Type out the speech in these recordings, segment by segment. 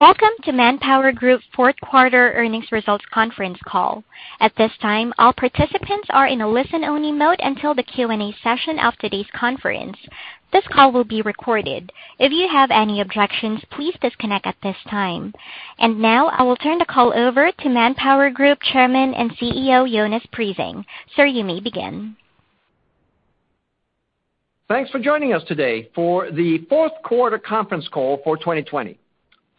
Welcome to ManpowerGroup Fourth Quarter Earnings Results Conference Call. At this time, all participants are in a listen-only mode until the Q&A session of today's conference. This call will be recorded. If you have any objections, please disconnect at this time. Now I will turn the call over to ManpowerGroup Chairman and CEO, Jonas Prising. Sir, you may begin. Thanks for joining us today for the fourth quarter conference call for 2020.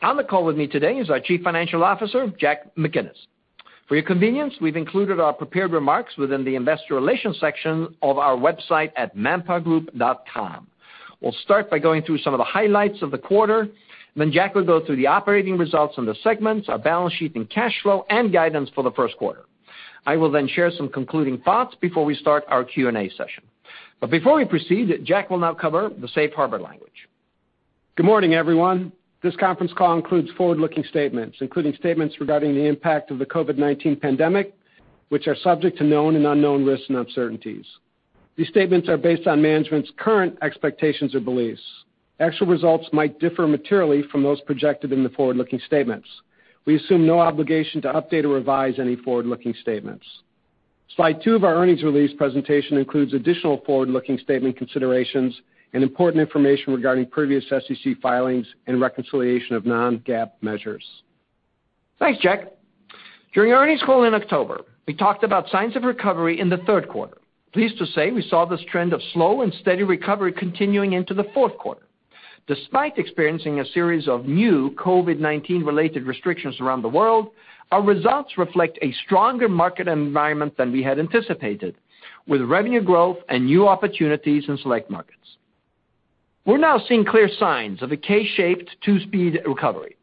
On the call with me today is our Chief Financial Officer, Jack McGinnis. For your convenience, we've included our prepared remarks within the investor relations section of our website at manpowergroup.com. We'll start by going through some of the highlights of the quarter, then Jack will go through the operating results in the segments, our balance sheet and cash flow, and guidance for the first quarter. I will then share some concluding thoughts before we start our Q&A session. Before we proceed, Jack will now cover the safe harbor language. Good morning, everyone. This conference call includes forward-looking statements, including statements regarding the impact of the COVID-19 pandemic, which are subject to known and unknown risks and uncertainties. These statements are based on management's current expectations or beliefs. Actual results might differ materially from those projected in the forward-looking statements. We assume no obligation to update or revise any forward-looking statements. Slide two of our earnings release presentation includes additional forward-looking statement considerations and important information regarding previous SEC filings and reconciliation of non-GAAP measures. Thanks, Jack. During our earnings call in October, we talked about signs of recovery in the third quarter. Pleased to say we saw this trend of slow and steady recovery continuing into the fourth quarter. Despite experiencing a series of new COVID-19 related restrictions around the world, our results reflect a stronger market environment than we had anticipated, with revenue growth and new opportunities in select markets. We're now seeing clear signs of a K-shaped, two-speed recovery.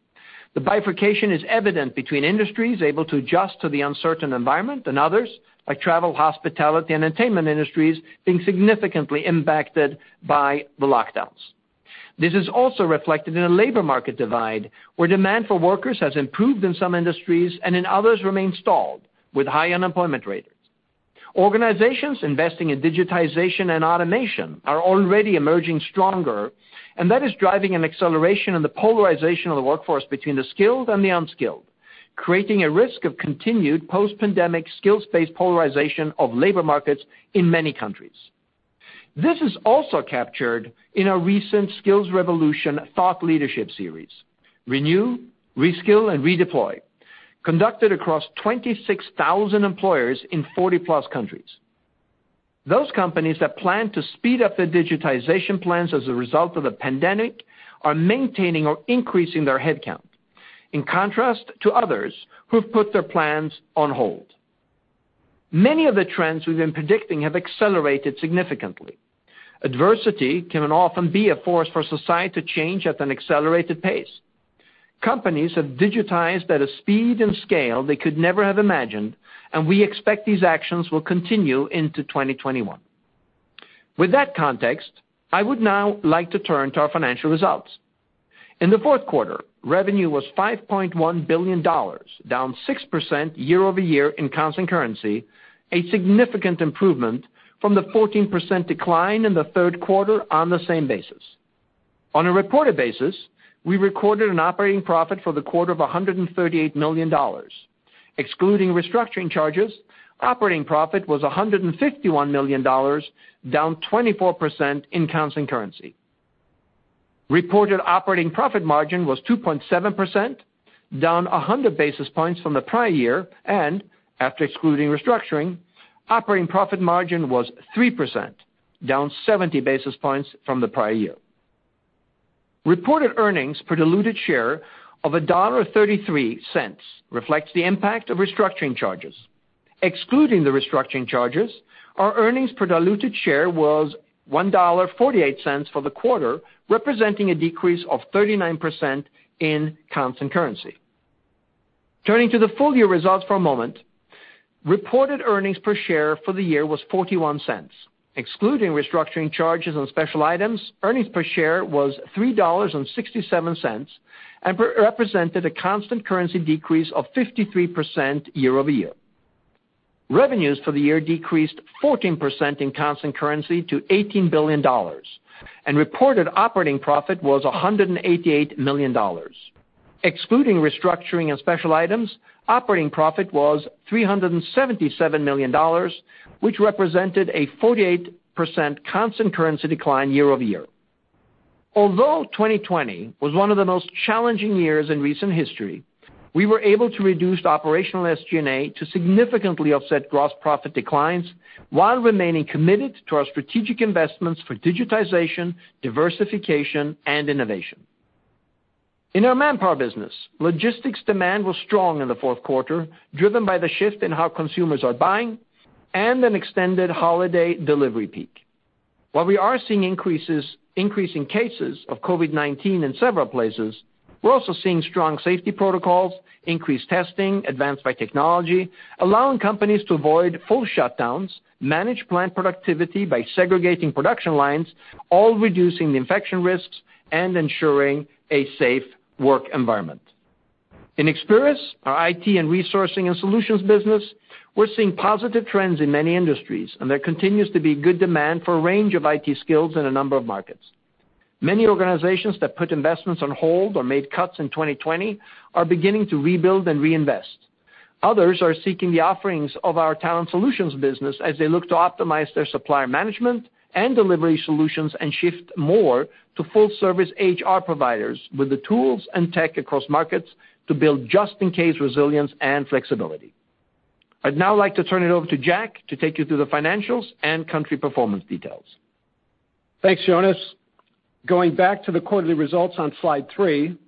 The bifurcation is evident between industries able to adjust to the uncertain environment and others, like travel, hospitality, and entertainment industries, being significantly impacted by the lockdowns. This is also reflected in a labor market divide, where demand for workers has improved in some industries and in others remain stalled with high unemployment rates. Organizations investing in digitization and automation are already emerging stronger. That is driving an acceleration in the polarization of the workforce between the skilled and the unskilled, creating a risk of continued post-pandemic skills-based polarization of labor markets in many countries. This is also captured in our recent Skills Revolution thought leadership series, Renew, Reskill and Redeploy, conducted across 26,000 employers in 40+ countries. Those companies that plan to speed up their digitization plans as a result of the pandemic are maintaining or increasing their headcount, in contrast to others who have put their plans on hold. Many of the trends we've been predicting have accelerated significantly. Adversity can often be a force for society change at an accelerated pace. Companies have digitized at a speed and scale they could never have imagined, and we expect these actions will continue into 2021. With that context, I would now like to turn to our financial results. In the fourth quarter, revenue was $5.1 billion, down 6% year-over-year in constant currency, a significant improvement from the 14% decline in the third quarter on the same basis. On a reported basis, we recorded an operating profit for the quarter of $138 million. Excluding restructuring charges, operating profit was $151 million, down 24% in constant currency. Reported operating profit margin was 2.7%, down 100 basis points from the prior year, and after excluding restructuring, operating profit margin was 3%, down 70 basis points from the prior year. Reported earnings per diluted share of $1.33 reflects the impact of restructuring charges. Excluding the restructuring charges, our earnings per diluted share was $1.48 for the quarter, representing a decrease of 39% in constant currency. Turning to the full year results for a moment. Reported earnings per share for the year was $0.41. Excluding restructuring charges on special items, earnings per share was $3.67 and represented a constant currency decrease of 53% year-over-year. Revenues for the year decreased 14% in constant currency to $18 billion, and reported operating profit was $188 million. Excluding restructuring and special items, operating profit was $377 million, which represented a 48% constant currency decline year-over-year. Although 2020 was one of the most challenging years in recent history, we were able to reduce operational SG&A to significantly offset gross profit declines while remaining committed to our strategic investments for digitization, diversification, and innovation. In our Manpower business, logistics demand was strong in the fourth quarter, driven by the shift in how consumers are buying and an extended holiday delivery peak. We are seeing increasing cases of COVID-19 in several places, we're also seeing strong safety protocols, increased testing advanced by technology, allowing companies to avoid full shutdowns, manage plant productivity by segregating production lines, all reducing the infection risks and ensuring a safe work environment. In Experis, our IT and resourcing and solutions business, we're seeing positive trends in many industries, and there continues to be good demand for a range of IT skills in a number of markets. Many organizations that put investments on hold or made cuts in 2020 are beginning to rebuild and reinvest. Others are seeking the offerings of our Talent Solutions business as they look to optimize their supplier management and delivery solutions and shift more to full service HR providers with the tools and tech across markets to build just-in-case resilience and flexibility. I'd now like to turn it over to Jack to take you through the financials and country performance details. Thanks, Jonas. Going back to the quarterly results on slide three,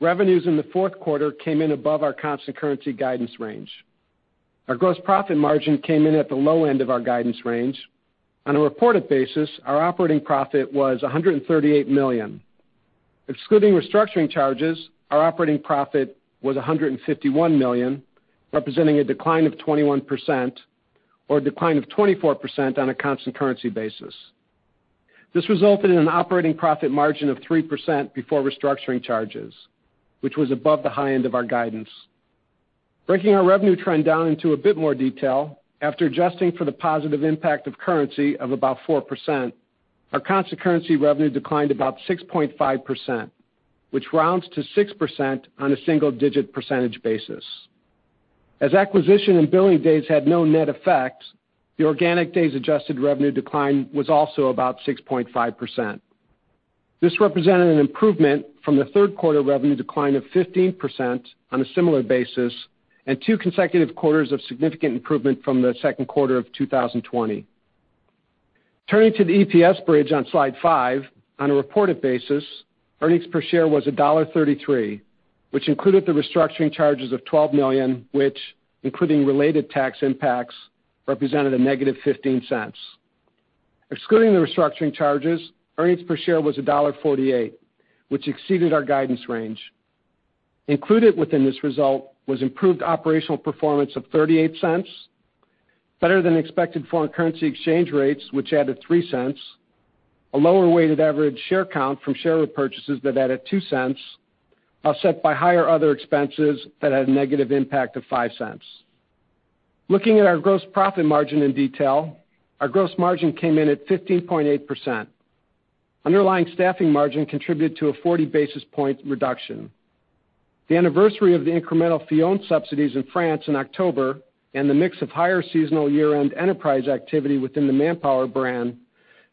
revenues in the fourth quarter came in above our constant currency guidance range. Our gross profit margin came in at the low end of our guidance range. On a reported basis, our operating profit was $138 million. Excluding restructuring charges, our operating profit was $151 million, representing a decline of 21% or a decline of 24% on a constant currency basis. This resulted in an operating profit margin of 3% before restructuring charges, which was above the high end of our guidance. Breaking our revenue trend down into a bit more detail, after adjusting for the positive impact of currency of about 4%, our constant currency revenue declined about 6.5%, which rounds to 6% on a single-digit percentage basis. As acquisition and billing days had no net effect, the organic days adjusted revenue decline was also about 6.5%. This represented an improvement from the third quarter revenue decline of 15% on a similar basis and two consecutive quarters of significant improvement from the second quarter of 2020. Turning to the EPS bridge on slide five, on a reported basis, earnings per share was $1.33, which included the restructuring charges of $12 million, which including related tax impacts, represented a -$0.15. Excluding the restructuring charges, earnings per share was $1.48, which exceeded our guidance range. Included within this result was improved operational performance of $0.38, better than expected foreign currency exchange rates, which added $0.03, a lower weighted average share count from share repurchases that added $0.02, offset by higher other expenses that had a negative impact of $0.05. Looking at our gross profit margin in detail, our gross margin came in at 15.8%. Underlying staffing margin contributed to a 40-basis point reduction. The anniversary of the incremental Fillon subsidies in France in October and the mix of higher seasonal year-end enterprise activity within the Manpower brand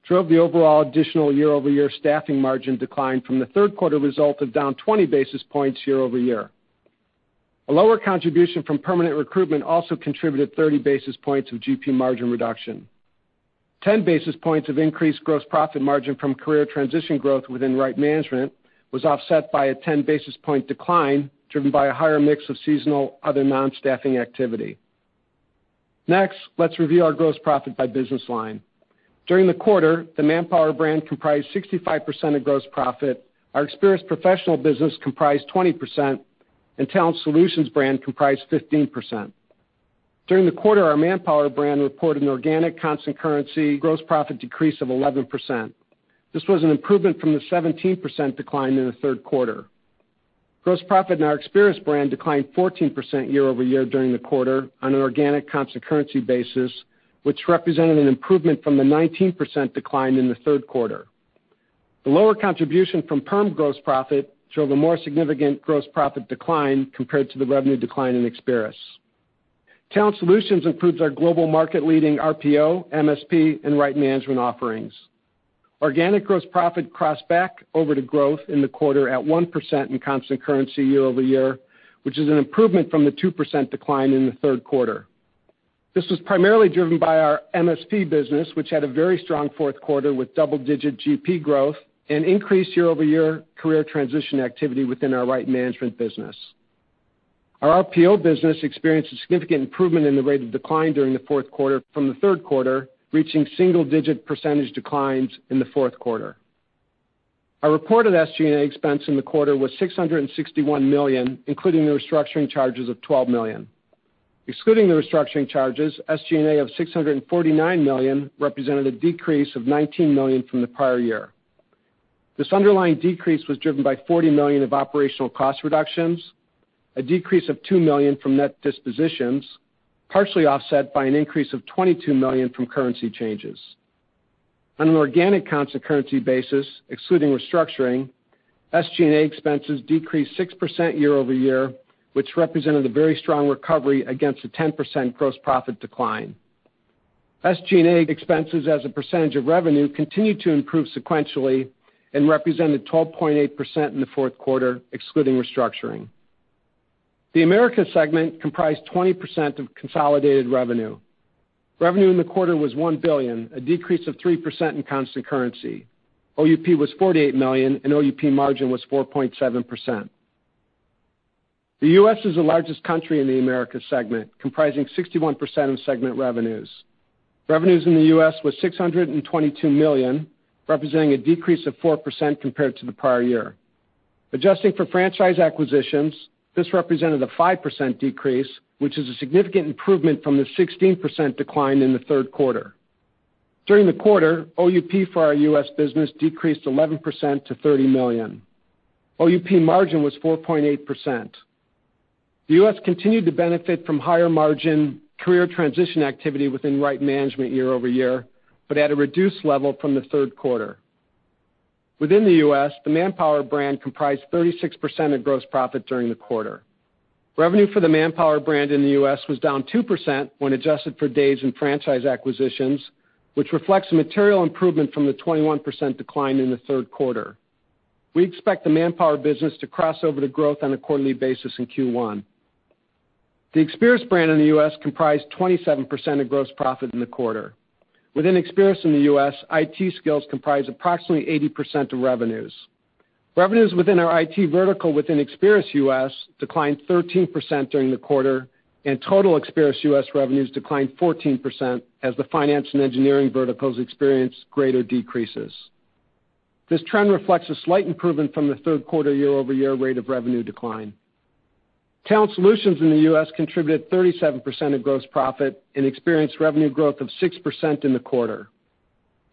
drove the overall additional year-over-year staffing margin decline from the third quarter result of down 20 basis points year-over-year. A lower contribution from permanent recruitment also contributed 30 basis points of GP margin reduction. 10 basis points of increased gross profit margin from career transition growth within Right Management was offset by a 10-basis point decline, driven by a higher mix of seasonal other non-staffing activity. Next, let's review our gross profit by business line. During the quarter, the Manpower brand comprised 65% of gross profit, our Experis professional business comprised 20%, and Talent Solutions brand comprised 15%. During the quarter, our Manpower brand reported an organic constant currency gross profit decrease of 11%. This was an improvement from the 17% decline in the third quarter. Gross profit in our Experis brand declined 14% year-over-year during the quarter on an organic constant currency basis, which represented an improvement from the 19% decline in the third quarter. The lower contribution from perm gross profit showed a more significant gross profit decline compared to the revenue decline in Experis. Talent Solutions improves our global market leading RPO, MSP, and Right Management offerings. Organic gross profit crossed back over to growth in the quarter at 1% in constant currency year-over-year, which is an improvement from the 2% decline in the third quarter. This was primarily driven by our MSP business, which had a very strong fourth quarter with double-digit GP growth and increased year-over-year career transition activity within our Right Management business. Our RPO business experienced a significant improvement in the rate of decline during the fourth quarter from the third quarter, reaching single-digit percentage declines in the fourth quarter. Our reported SG&A expense in the quarter was $661 million, including the restructuring charges of $12 million. Excluding the restructuring charges, SG&A of $649 million represented a decrease of $19 million from the prior year. This underlying decrease was driven by $40 million of operational cost reductions, a decrease of $2 million from net dispositions, partially offset by an increase of $22 million from currency changes. On an organic constant currency basis, excluding restructuring, SG&A expenses decreased 6% year-over-year, which represented a very strong recovery against a 10% gross profit decline. SG&A expenses as a percentage of revenue continued to improve sequentially and represented 12.8% in the fourth quarter, excluding restructuring. The Americas segment comprised 20% of consolidated revenue. Revenue in the quarter was $1 billion, a decrease of 3% in constant currency. OUP was $48 million, and OUP margin was 4.7%. The U.S. is the largest country in the Americas segment, comprising 61% of segment revenues. Revenues in the U.S. was $622 million, representing a decrease of 4% compared to the prior year. Adjusting for franchise acquisitions, this represented a 5% decrease, which is a significant improvement from the 16% decline in the third quarter. During the quarter, OUP for our U.S. business decreased 11% to $30 million. OUP margin was 4.8%. The U.S. continued to benefit from higher margin career transition activity within Right Management year-over-year, but at a reduced level from the third quarter. Within the U.S., the Manpower brand comprised 36% of gross profit during the quarter. Revenue for the Manpower brand in the U.S. was down 2% when adjusted for days and franchise acquisitions, which reflects a material improvement from the 21% decline in the third quarter. We expect the Manpower business to cross over to growth on a quarterly basis in Q1. The Experis brand in the U.S. comprised 27% of gross profit in the quarter. Within Experis in the U.S., IT skills comprised approximately 80% of revenues. Revenues within our IT vertical within Experis U.S. declined 13% during the quarter, and total Experis U.S. revenues declined 14% as the finance and engineering verticals experienced greater decreases. This trend reflects a slight improvement from the third quarter year-over-year rate of revenue decline. Talent Solutions in the U.S. contributed 37% of gross profit and experienced revenue growth of 6% in the quarter.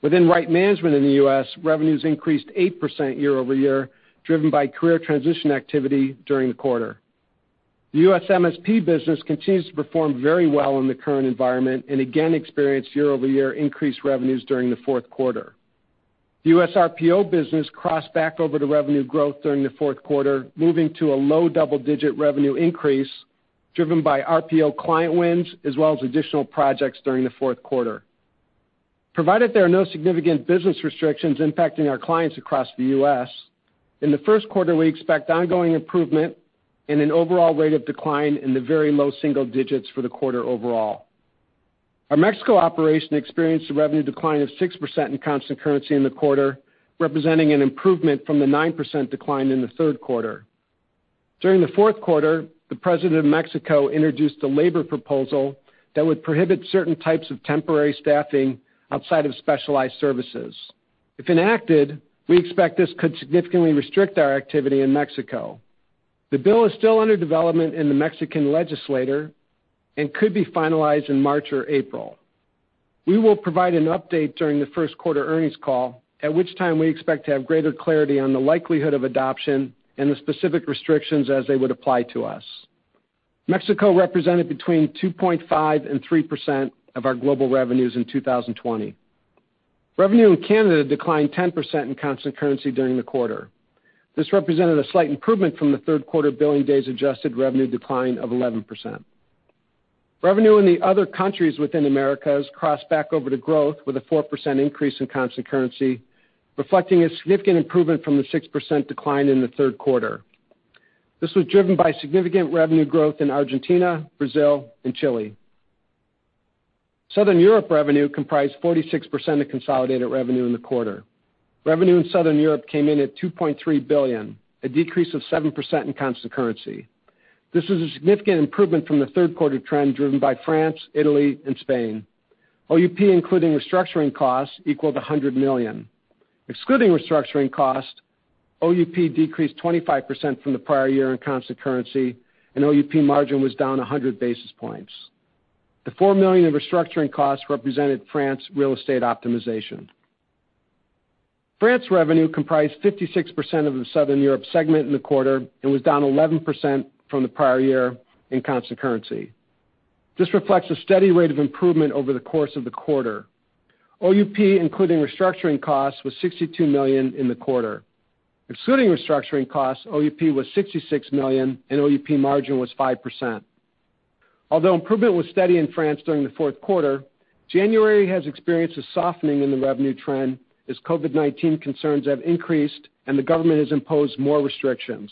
Within Right Management in the U.S., revenues increased 8% year-over-year, driven by career transition activity during the quarter. The U.S. MSP business continues to perform very well in the current environment and again experienced year-over-year increased revenues during the fourth quarter. The U.S. RPO business crossed back over to revenue growth during the fourth quarter, moving to a low double-digit revenue increase driven by RPO client wins, as well as additional projects during the fourth quarter. Provided there are no significant business restrictions impacting our clients across the U.S., in the first quarter, we expect ongoing improvement and an overall rate of decline in the very low single digits for the quarter overall. Our Mexico operation experienced a revenue decline of 6% in constant currency in the quarter, representing an improvement from the 9% decline in the third quarter. During the fourth quarter, the president of Mexico introduced a labor proposal that would prohibit certain types of temporary staffing outside of specialized services. If enacted, we expect this could significantly restrict our activity in Mexico. The bill is still under development in the Mexican legislature and could be finalized in March or April. We will provide an update during the first quarter earnings call, at which time we expect to have greater clarity on the likelihood of adoption and the specific restrictions as they would apply to us. Mexico represented between 2.5% and 3% of our global revenues in 2020. Revenue in Canada declined 10% in constant currency during the quarter. This represented a slight improvement from the third quarter billing days adjusted revenue decline of 11%. Revenue in the other countries within Americas crossed back over to growth with a 4% increase in constant currency, reflecting a significant improvement from the 6% decline in the third quarter. This was driven by significant revenue growth in Argentina, Brazil and Chile. Southern Europe revenue comprised 46% of consolidated revenue in the quarter. Revenue in Southern Europe came in at $2.3 billion, a decrease of 7% in constant currency. This is a significant improvement from the third quarter trend driven by France, Italy and Spain. OUP, including restructuring costs, equaled $100 million. Excluding restructuring costs, OUP decreased 25% from the prior year in constant currency, and OUP margin was down 100 basis points. The $4 million in restructuring costs represented France real estate optimization. France revenue comprised 56% of the Southern Europe segment in the quarter and was down 11% from the prior year in constant currency. This reflects a steady rate of improvement over the course of the quarter. OUP, including restructuring costs, was $62 million in the quarter. Excluding restructuring costs, OUP was $66 million and OUP margin was 5%. Although improvement was steady in France during the fourth quarter, January has experienced a softening in the revenue trend as COVID-19 concerns have increased and the government has imposed more restrictions.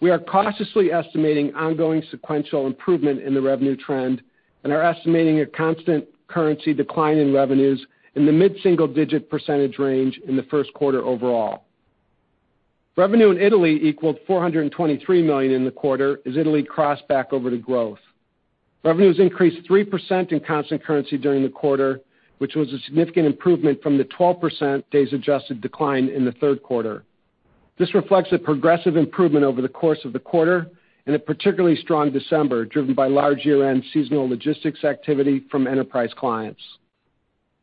We are cautiously estimating ongoing sequential improvement in the revenue trend and are estimating a constant currency decline in revenues in the mid-single digit percentage range in the first quarter overall. Revenue in Italy equaled $423 million in the quarter as Italy crossed back over to growth. Revenues increased 3% in constant currency during the quarter, which was a significant improvement from the 12% days adjusted decline in the third quarter. This reflects a progressive improvement over the course of the quarter and a particularly strong December, driven by large year-end seasonal logistics activity from enterprise clients.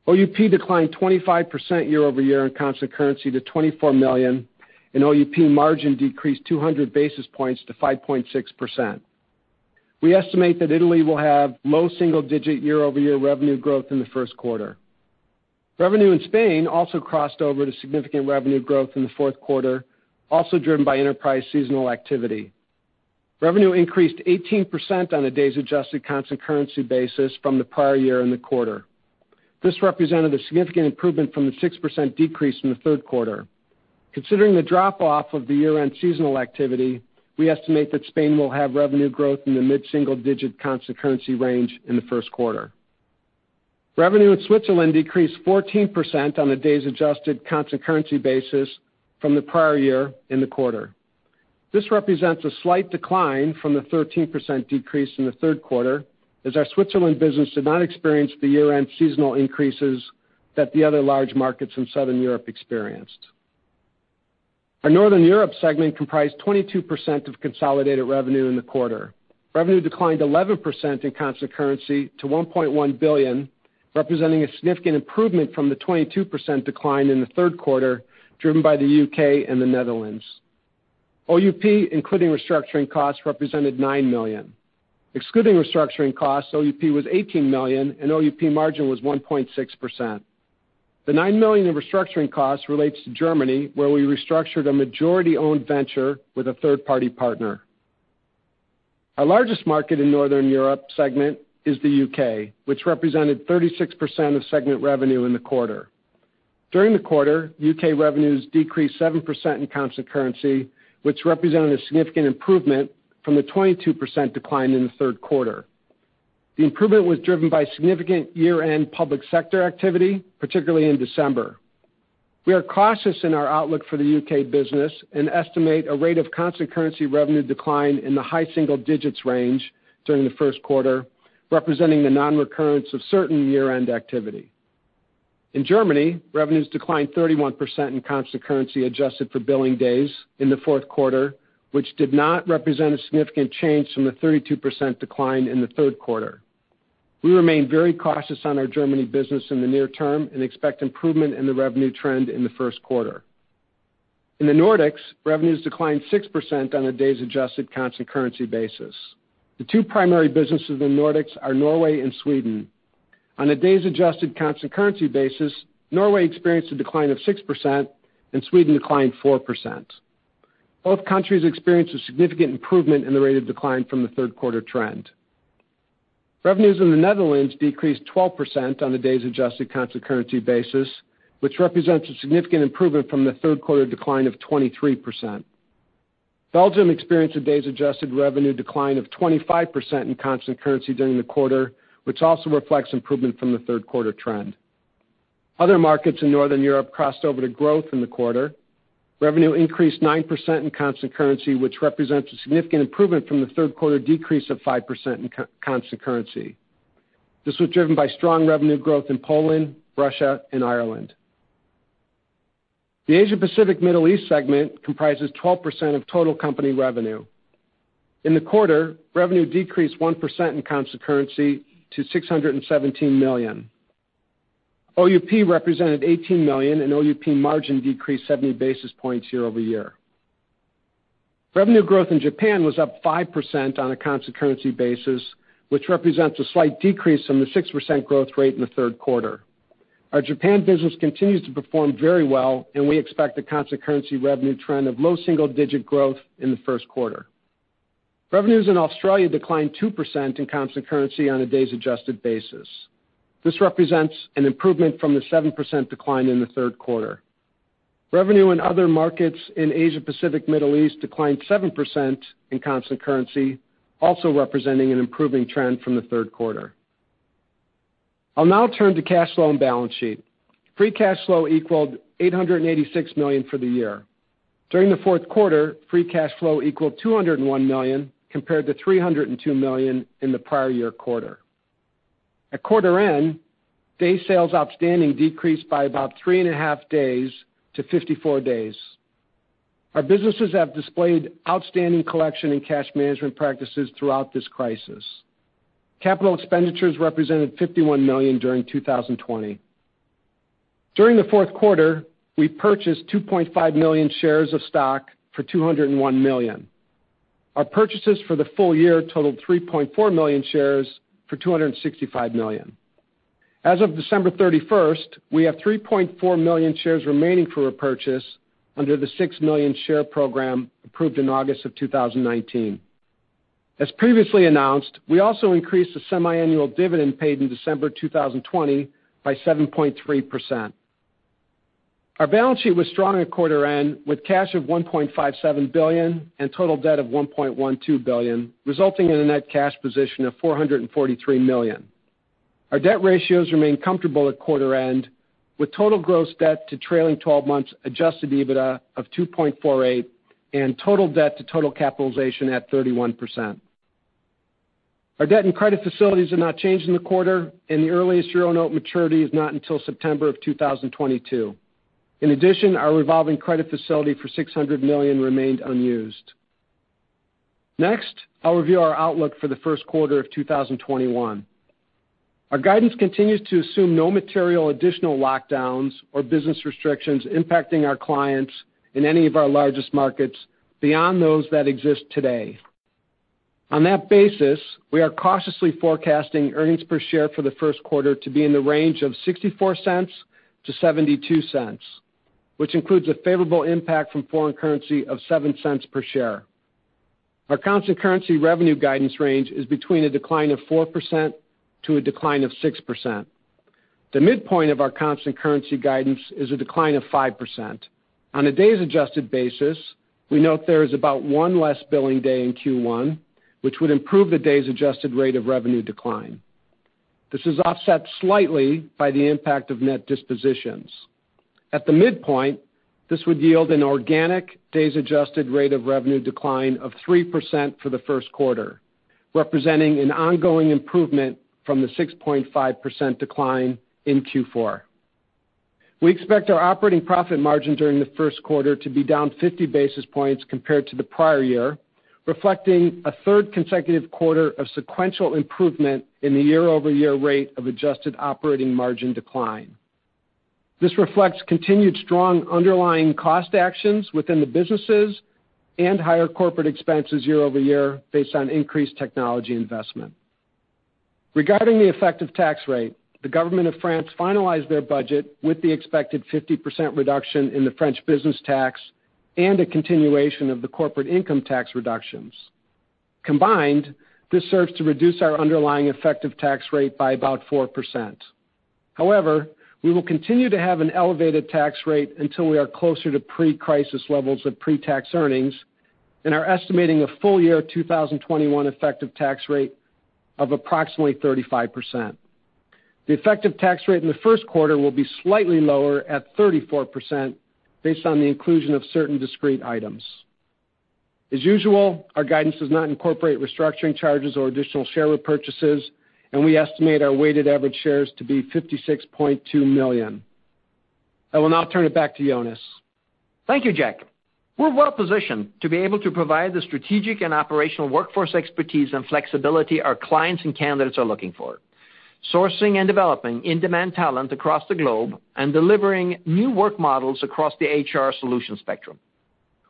OUP declined 25% year-over-year in constant currency to $24 million, and OUP margin decreased 200 basis points to 5.6%. We estimate that Italy will have low double-digit year-over-year revenue growth in the first quarter. Revenue in Spain also crossed over to significant revenue growth in the fourth quarter, also driven by enterprise seasonal activity. Revenue increased 18% on a days adjusted constant currency basis from the prior year in the quarter. This represented a significant improvement from the 6% decrease in the third quarter. Considering the drop-off of the year-end seasonal activity, we estimate that Spain will have revenue growth in the mid-single digit constant currency range in the first quarter. Revenue in Switzerland decreased 14% on a days adjusted constant currency basis from the prior year in the quarter. This represents a slight decline from the 13% decrease in the third quarter, as our Switzerland business did not experience the year-end seasonal increases that the other large markets in Southern Europe experienced. Our Northern Europe segment comprised 22% of consolidated revenue in the quarter. Revenue declined 11% in constant currency to $1.1 billion, representing a significant improvement from the 22% decline in the third quarter, driven by the U.K. and the Netherlands. OUP, including restructuring costs, represented $9 million. Excluding restructuring costs, OUP was $18 million, and OUP margin was 1.6%. The $9 million in restructuring costs relates to Germany, where we restructured a majority-owned venture with a third-party partner. Our largest market in Northern Europe segment is the U.K., which represented 36% of segment revenue in the quarter. During the quarter, U.K. revenues decreased 7% in constant currency, which represented a significant improvement from the 22% decline in the third quarter. The improvement was driven by significant year-end public sector activity, particularly in December. We are cautious in our outlook for the U.K. business and estimate a rate of constant currency revenue decline in the high single digits range during the first quarter, representing the non-recurrence of certain year-end activity. In Germany, revenues declined 31% in constant currency adjusted for billing days in the fourth quarter, which did not represent a significant change from the 32% decline in the third quarter. We remain very cautious on our Germany business in the near term and expect improvement in the revenue trend in the first quarter. In the Nordics, revenues declined 6% on a days adjusted constant currency basis. The two primary businesses in the Nordics are Norway and Sweden. On a days adjusted constant currency basis, Norway experienced a decline of 6%, and Sweden declined 4%. Both countries experienced a significant improvement in the rate of decline from the third quarter trend. Revenues in the Netherlands decreased 12% on a days adjusted constant currency basis, which represents a significant improvement from the third quarter decline of 23%. Belgium experienced a days adjusted revenue decline of 25% in constant currency during the quarter, which also reflects improvement from the third quarter trend. Other markets in Northern Europe crossed over to growth in the quarter. Revenue increased 9% in constant currency, which represents a significant improvement from the third quarter decrease of 5% in constant currency. This was driven by strong revenue growth in Poland, Russia, and Ireland. The Asia-Pacific Middle East segment comprises 12% of total company revenue. In the quarter, revenue decreased 1% in constant currency to $617 million. OUP represented $18 million, OUP margin decreased 70 basis points year-over-year. Revenue growth in Japan was up 5% on a constant currency basis, which represents a slight decrease from the 6% growth rate in the third quarter. Our Japan business continues to perform very well, and we expect a constant currency revenue trend of low single-digit growth in the first quarter. Revenues in Australia declined 2% in constant currency on a days-adjusted basis. This represents an improvement from the 7% decline in the third quarter. Revenue in other markets in Asia-Pacific Middle East declined 7% in constant currency, also representing an improving trend from the third quarter. I'll now turn to cash flow and balance sheet. Free cash flow equaled $886 million for the year. During the fourth quarter, free cash flow equaled $201 million compared to $302 million in the prior year quarter. At quarter end, day sales outstanding decreased by about three and a half days to 54 days. Our businesses have displayed outstanding collection and cash management practices throughout this crisis. Capital expenditures represented $51 million during 2020. During the fourth quarter, we purchased 2.5 million shares of stock for $201 million. Our purchases for the full year totaled 3.4 million shares for $265 million. As of December 31st, we have 3.4 million shares remaining for repurchase under the 6 million share program approved in August of 2019. As previously announced, we also increased the semiannual dividend paid in December 2020 by 7.3%. Our balance sheet was strong at quarter end with cash of $1.57 billion and total debt of $1.12 billion, resulting in a net cash position of $443 million. Our debt ratios remain comfortable at quarter end with total gross debt to trailing 12 months adjusted EBITDA of 2.48 and total debt to total capitalization at 31%. Our debt and credit facilities are not changed in the quarter, and the earliest euro note maturity is not until September of 2022. In addition, our revolving credit facility for $600 million remained unused. Next, I'll review our outlook for the first quarter of 2021. Our guidance continues to assume no material additional lockdowns or business restrictions impacting our clients in any of our largest markets beyond those that exist today. On that basis, we are cautiously forecasting earnings per share for the first quarter to be in the range of $0.64-$0.72, which includes a favorable impact from foreign currency of $0.07 per share. Our constant currency revenue guidance range is between a decline of 4% to a decline of 6%. The midpoint of our constant currency guidance is a decline of 5%. On a days adjusted basis, we note there is about one less billing day in Q1, which would improve the days adjusted rate of revenue decline. This is offset slightly by the impact of net dispositions. At the midpoint, this would yield an organic days adjusted rate of revenue decline of 3% for the first quarter. Representing an ongoing improvement from the 6.5% decline in Q4. We expect our operating profit margin during the first quarter to be down 50 basis points compared to the prior year, reflecting a third consecutive quarter of sequential improvement in the year-over-year rate of adjusted operating margin decline. This reflects continued strong underlying cost actions within the businesses and higher corporate expenses year-over-year based on increased technology investment. Regarding the effective tax rate, the government of France finalized their budget with the expected 50% reduction in the French business tax and a continuation of the corporate income tax reductions. Combined, this serves to reduce our underlying effective tax rate by about 4%. However, we will continue to have an elevated tax rate until we are closer to pre-crisis levels of pre-tax earnings and are estimating a full year 2021 effective tax rate of approximately 35%. The effective tax rate in the first quarter will be slightly lower at 34% based on the inclusion of certain discrete items. As usual, our guidance does not incorporate restructuring charges or additional share repurchases, and we estimate our weighted average shares to be 56.2 million. I will now turn it back to Jonas. Thank you, Jack. We're well-positioned to be able to provide the strategic and operational workforce expertise and flexibility our clients and candidates are looking for, sourcing and developing in-demand talent across the globe and delivering new work models across the HR solution spectrum.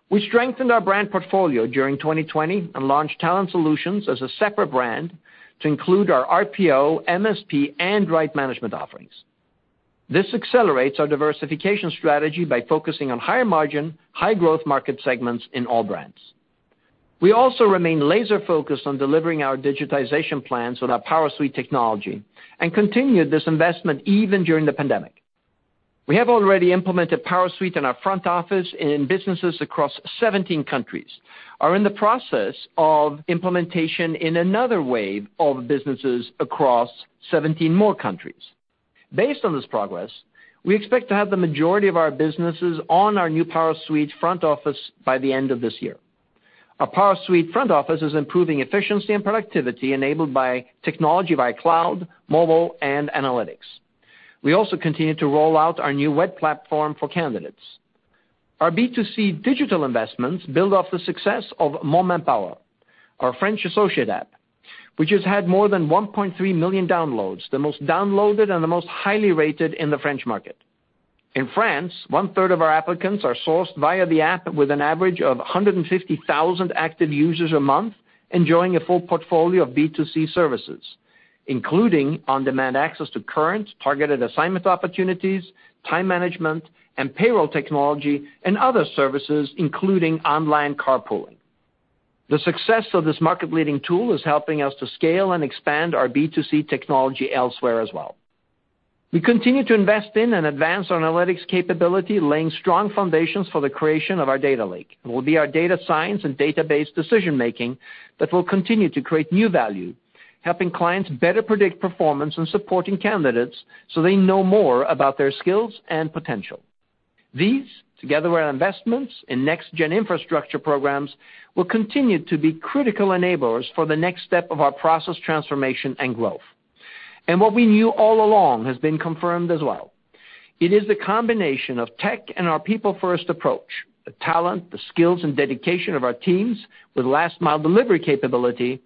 We strengthened our brand portfolio during 2020 and launched Talent Solutions as a separate brand to include our RPO, MSP, and Right Management offerings. This accelerates our diversification strategy by focusing on higher margin, high growth market segments in all brands. We also remain laser-focused on delivering our digitization plans with our PowerSuite technology and continued this investment even during the pandemic. We have already implemented PowerSuite in our front office in businesses across 17 countries, are in the process of implementation in another wave of businesses across 17 more countries. Based on this progress, we expect to have the majority of our businesses on our new PowerSuite front office by the end of this year. Our PowerSuite front office is improving efficiency and productivity enabled by technology by cloud, mobile, and analytics. We also continue to roll out our new web platform for candidates. Our B2C digital investments build off the success of Mon Manpower, our French associate app, which has had more than 1.3 million downloads, the most downloaded and the most highly rated in the French market. In France, 1/3 of our applicants are sourced via the app with an average of 150,000 active users a month, enjoying a full portfolio of B2C services, including on-demand access to current targeted assignment opportunities, time management, and payroll technology, and other services, including online carpooling. The success of this market-leading tool is helping us to scale and expand our B2C technology elsewhere as well. We continue to invest in and advance our analytics capability, laying strong foundations for the creation of our data lake. It will be our data science and database decision-making that will continue to create new value, helping clients better predict performance and supporting candidates so they know more about their skills and potential. These, together with our investments in next-gen infrastructure programs, will continue to be critical enablers for the next step of our process transformation and growth. What we knew all along has been confirmed as well. It is the combination of tech and our people-first approach, the talent, the skills, and dedication of our teams with last-mile delivery capability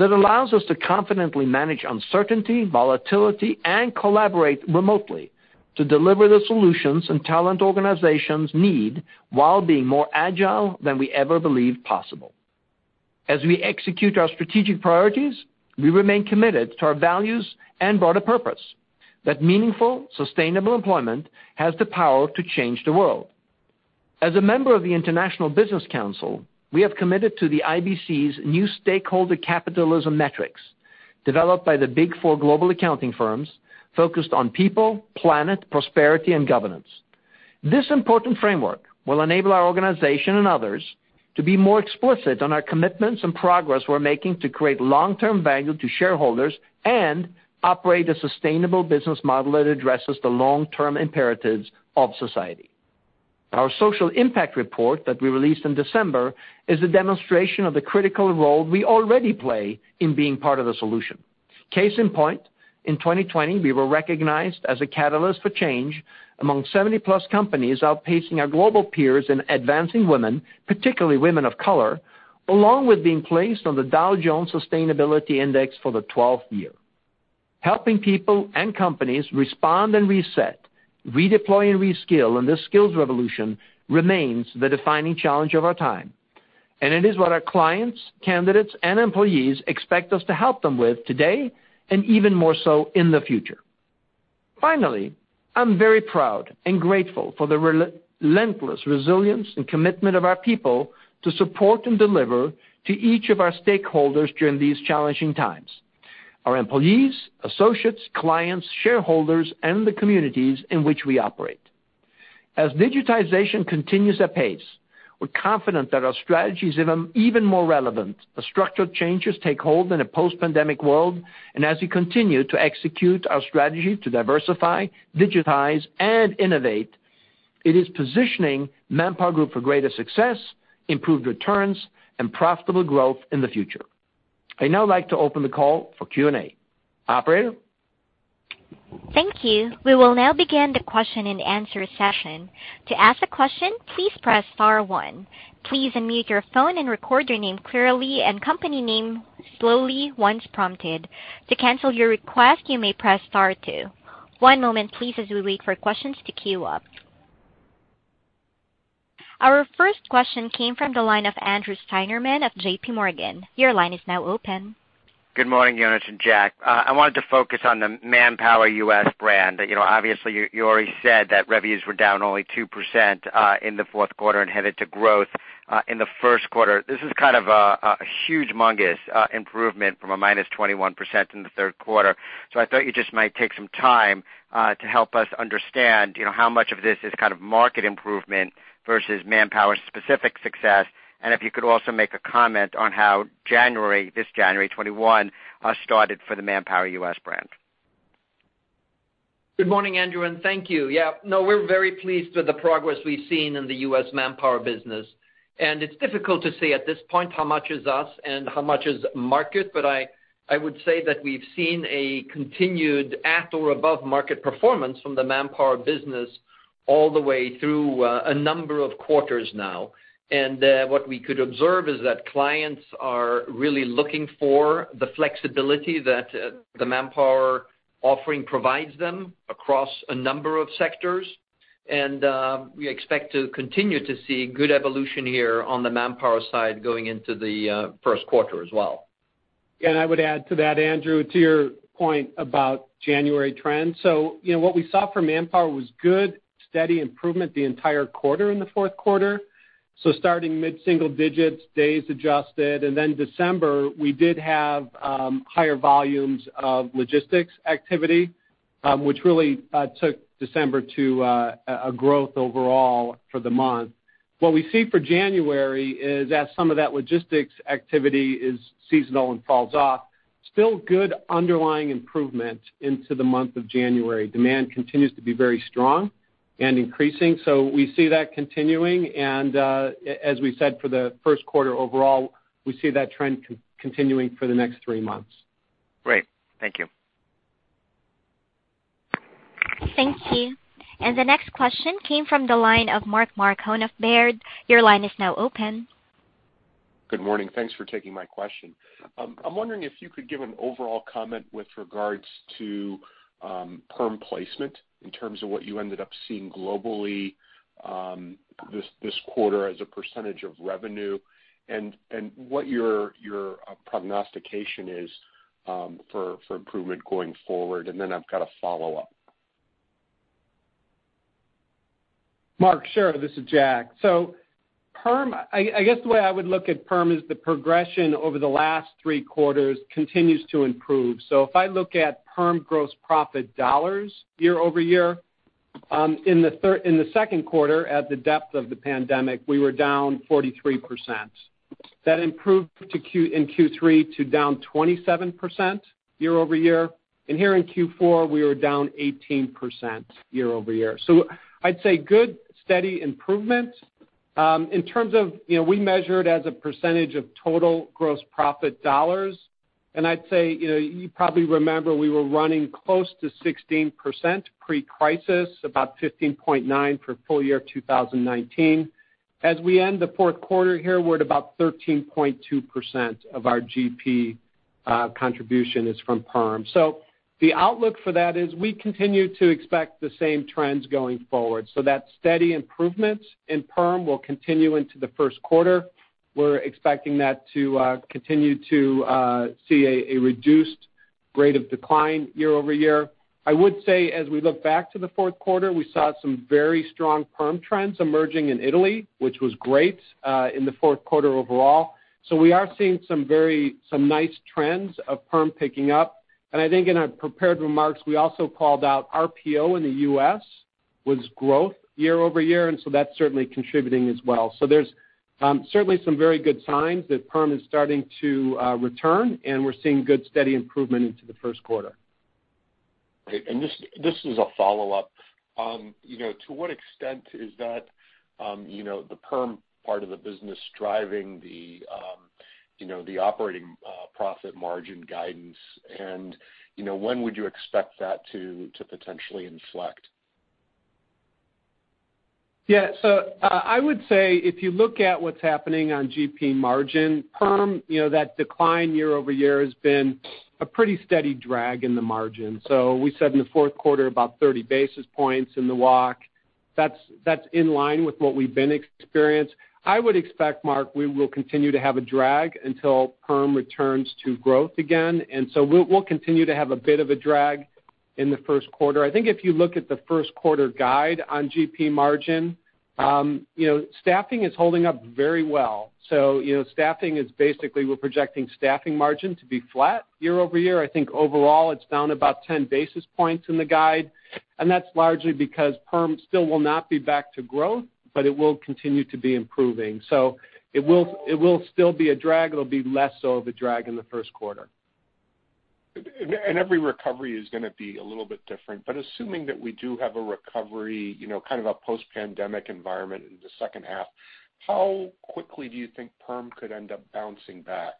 that allows us to confidently manage uncertainty, volatility, and collaborate remotely to deliver the solutions and talent organizations need while being more agile than we ever believed possible. As we execute our strategic priorities, we remain committed to our values and broader purpose, that meaningful, sustainable employment has the power to change the world. As a member of the International Business Council, we have committed to the IBC's new stakeholder capitalism metrics developed by the Big Four global accounting firms focused on people, planet, prosperity, and governance. This important framework will enable our organization and others to be more explicit on our commitments and progress we're making to create long-term value to shareholders and operate a sustainable business model that addresses the long-term imperatives of society. Our social impact report that we released in December is a demonstration of the critical role we already play in being part of the solution. Case in point, in 2020, we were recognized as a catalyst for change among 70+ companies outpacing our global peers in advancing women, particularly women of color, along with being placed on the Dow Jones Sustainability Index for the 12th year. Helping people and companies respond and reset, redeploy and reskill in this skills revolution remains the defining challenge of our time. It is what our clients, candidates, and employees expect us to help them with today and even more so in the future. Finally, I'm very proud and grateful for the relentless resilience and commitment of our people to support and deliver to each of our stakeholders during these challenging times. Our employees, associates, clients, shareholders, and the communities in which we operate. As digitization continues apace, we're confident that our strategies become even more relevant as structural changes take hold in a post-pandemic world, and as we continue to execute our strategy to diversify, digitize, and innovate. It is positioning ManpowerGroup for greater success, improved returns, and profitable growth in the future. I'd now like to open the call for Q&A. Operator? Thank you. We will now begin the question and answer session. Our first question came from the line of Andrew Steinerman of JPMorgan. Your line is now open. Good morning, Jonas and Jack. I wanted to focus on the Manpower U.S. brand. Obviously, you already said that revenues were down only 2% in the fourth quarter and headed to growth in the first quarter. This is kind of a huge improvement from a -21% in the third quarter. I thought you just might take some time to help us understand, how much of this is kind of market improvement versus Manpower specific success, and if you could also make a comment on how this January 2021 started for the Manpower U.S. brand. Good morning, Andrew, and thank you. Yeah, no, we're very pleased with the progress we've seen in the U.S. ManpowerGroup business. It's difficult to say at this point how much is us and how much is market, but I would say that we've seen a continued at or above market performance from the Manpower business all the way through a number of quarters now. What we could observe is that clients are really looking for the flexibility that the Manpower offering provides them across a number of sectors. We expect to continue to see good evolution here on the Manpower side going into the first quarter as well. I would add to that, Andrew, to your point about January trends. What we saw from Manpower was good, steady improvement the entire quarter in the fourth quarter. Starting mid-single digits, days adjusted. Then December, we did have higher volumes of logistics activity, which really took December to a growth overall for the month. What we see for January is that some of that logistics activity is seasonal and falls off. Still good underlying improvement into the month of January. Demand continues to be very strong and increasing. We see that continuing. As we said for the first quarter overall, we see that trend continuing for the next three months. Great. Thank you. Thank you. The next question came from the line of Mark Marcon of Baird. Good morning. Thanks for taking my question. I'm wondering if you could give an overall comment with regards to perm placement in terms of what you ended up seeing globally this quarter as a percentage of revenue, and what your prognostication is for improvement going forward. I've got a follow-up. Mark, sure. This is Jack. Perm, I guess the way I would look at perm is the progression over the last three quarters continues to improve. If I look at perm gross profit dollars year-over-year, in the second quarter at the depth of the pandemic, we were down 43%. That improved in Q3 to down 27% year-over-year. Here in Q4, we were down 18% year-over-year. I'd say good, steady improvement. In terms of, we measure it as a percentage of total gross profit dollars. I'd say, you probably remember we were running close to 16% pre-crisis, about 15.9% for full year 2019. As we end the fourth quarter here, we're at about 13.2% of our GP contribution is from perm. The outlook for that is we continue to expect the same trends going forward. That steady improvements in perm will continue into the first quarter. We're expecting that to continue to see a reduced rate of decline year-over-year. I would say as we look back to the fourth quarter, we saw some very strong perm trends emerging in Italy, which was great in the fourth quarter overall. We are seeing some nice trends of perm picking up. I think in our prepared remarks, we also called out RPO in the U.S. was growth year-over-year, that's certainly contributing as well. There's certainly some very good signs that perm is starting to return, and we're seeing good, steady improvement into the first quarter. Great. This is a follow-up. To what extent is that the perm part of the business driving the operating profit margin guidance? When would you expect that to potentially inflect? I would say if you look at what's happening on GP margin, perm, that decline year-over-year has been a pretty steady drag in the margin. We said in the fourth quarter, about 30 basis points in the walk. That's in line with what we've been experienced. I would expect, Mark, we will continue to have a drag until perm returns to growth again. We'll continue to have a bit of a drag in the first quarter. I think if you look at the first quarter guide on GP margin, staffing is holding up very well. Staffing is basically, we're projecting staffing margin to be flat year-over-year. I think overall it's down about 10 basis points in the guide. That's largely because perm still will not be back to growth, but it will continue to be improving. It will still be a drag. It'll be less so of a drag in the first quarter. Every recovery is going to be a little bit different, but assuming that we do have a recovery, kind of a post-pandemic environment in the second half, how quickly do you think perm could end up bouncing back?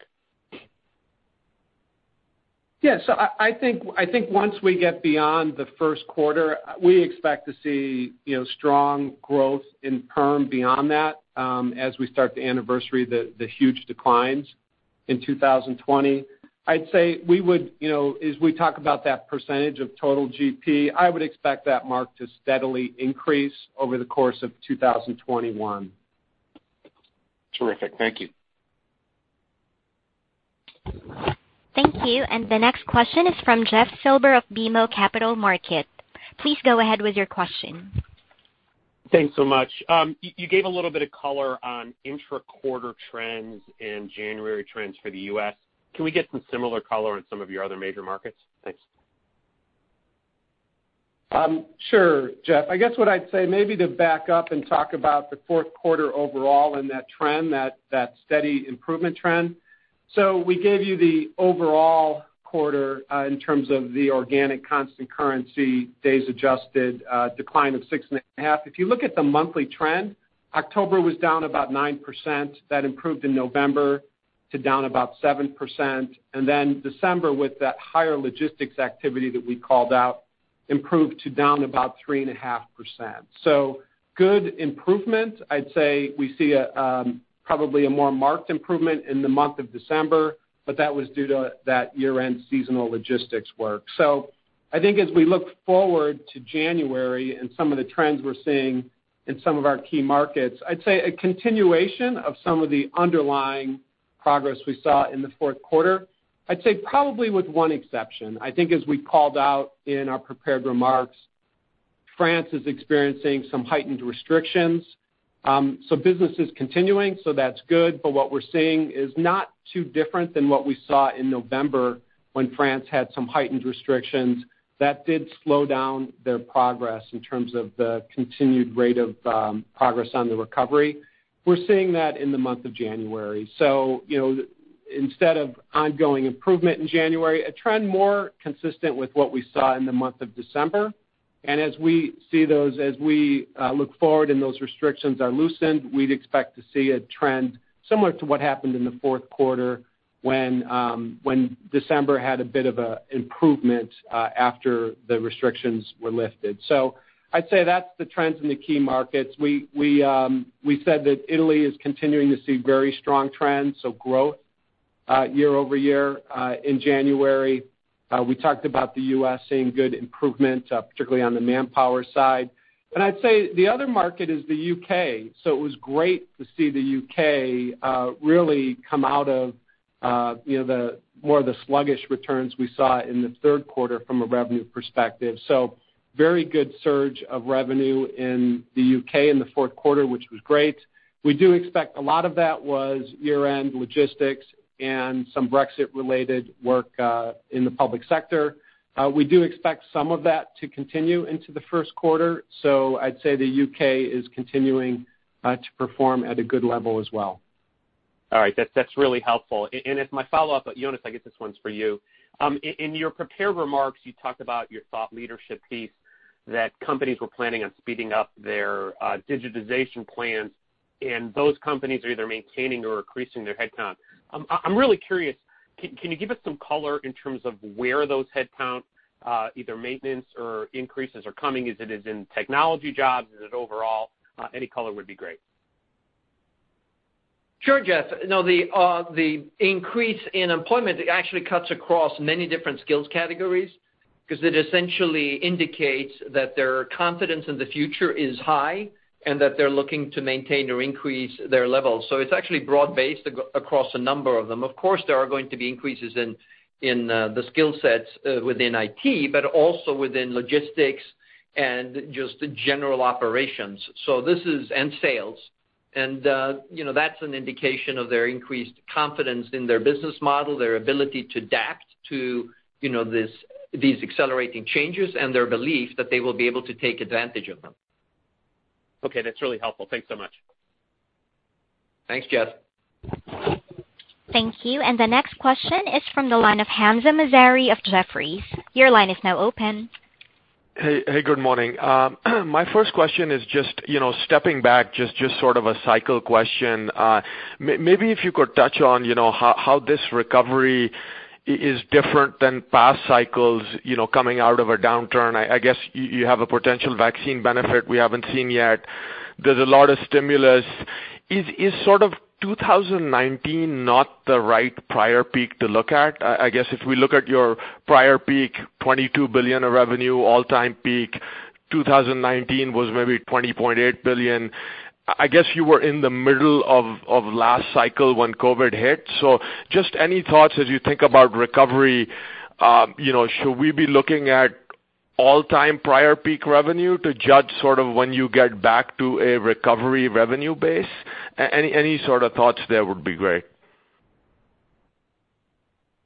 Yeah. I think once we get beyond the first quarter, we expect to see strong growth in perm beyond that, as we start to anniversary the huge declines in 2020. I'd say as we talk about that percentage of total GP, I would expect that mark to steadily increase over the course of 2021. Terrific. Thank you. Thank you. The next question is from Jeff Silber of BMO Capital Markets. Please go ahead with your question. Thanks so much. You gave a little bit of color on intra-quarter trends and January trends for the U.S. Can we get some similar color on some of your other major markets? Thanks. Sure, Jeff. I guess what I'd say, maybe to back up and talk about the fourth quarter overall and that trend, that steady improvement trend. We gave you the overall quarter in terms of the organic constant currency days adjusted decline of 6.5%. If you look at the monthly trend, October was down about 9%. That improved in November to down about 7%. December, with that higher logistics activity that we called out, improved to down about 3.5%. Good improvement. I'd say we see probably a more marked improvement in the month of December, but that was due to that year-end seasonal logistics work. I think as we look forward to January and some of the trends we're seeing in some of our key markets, I'd say a continuation of some of the underlying progress we saw in the fourth quarter. I'd say probably with one exception. I think as we called out in our prepared remarks, France is experiencing some heightened restrictions. Business is continuing, so that's good, but what we're seeing is not too different than what we saw in November when France had some heightened restrictions that did slow down their progress in terms of the continued rate of progress on the recovery. We're seeing that in the month of January. Instead of ongoing improvement in January, a trend more consistent with what we saw in the month of December. As we look forward and those restrictions are loosened, we'd expect to see a trend similar to what happened in the fourth quarter when December had a bit of an improvement after the restrictions were lifted. I'd say that's the trends in the key markets. We said that Italy is continuing to see very strong trends, so growth year-over-year in January. We talked about the U.S. seeing good improvement, particularly on the Manpower side. I'd say the other market is the U.K. It was great to see the U.K. really come out of more of the sluggish returns we saw in the third quarter from a revenue perspective. Very good surge of revenue in the U.K. in the fourth quarter, which was great. We do expect a lot of that was year-end logistics and some Brexit-related work in the public sector. We do expect some of that to continue into the first quarter. I'd say the U.K. is continuing to perform at a good level as well. All right. That's really helpful. As my follow-up, Jonas, I guess this one's for you. In your prepared remarks, you talked about your thought leadership piece that companies were planning on speeding up their digitization plans, and those companies are either maintaining or increasing their headcount. I'm really curious, can you give us some color in terms of where those headcount, either maintenance or increases are coming? Is it as in technology jobs? Is it overall? Any color would be great. Sure, Jeff. No, the increase in employment actually cuts across many different skills categories because it essentially indicates that their confidence in the future is high and that they're looking to maintain or increase their levels. It's actually broad-based across a number of them. Of course, there are going to be increases in the skill sets within IT, also within logistics and just general operations and sales. That's an indication of their increased confidence in their business model, their ability to adapt to these accelerating changes, and their belief that they will be able to take advantage of them. Okay, that's really helpful. Thanks so much. Thanks, Jeff. Thank you. The next question is from the line of Hamzah Mazari of Jefferies. Your line is now open. Hey, good morning. My first question is just stepping back, just sort of a cycle question. Maybe if you could touch on how this recovery is different than past cycles coming out of a downturn. I guess you have a potential vaccine benefit we haven't seen yet. There's a lot of stimulus. Is sort of 2019 not the right prior peak to look at? I guess if we look at your prior peak, $22 billion of revenue, all-time peak, 2019 was maybe $20.8 billion. I guess you were in the middle of last cycle when COVID-19 hit. Just any thoughts as you think about recovery, should we be looking at all-time prior peak revenue to judge sort of when you get back to a recovery revenue base? Any sort of thoughts there would be great.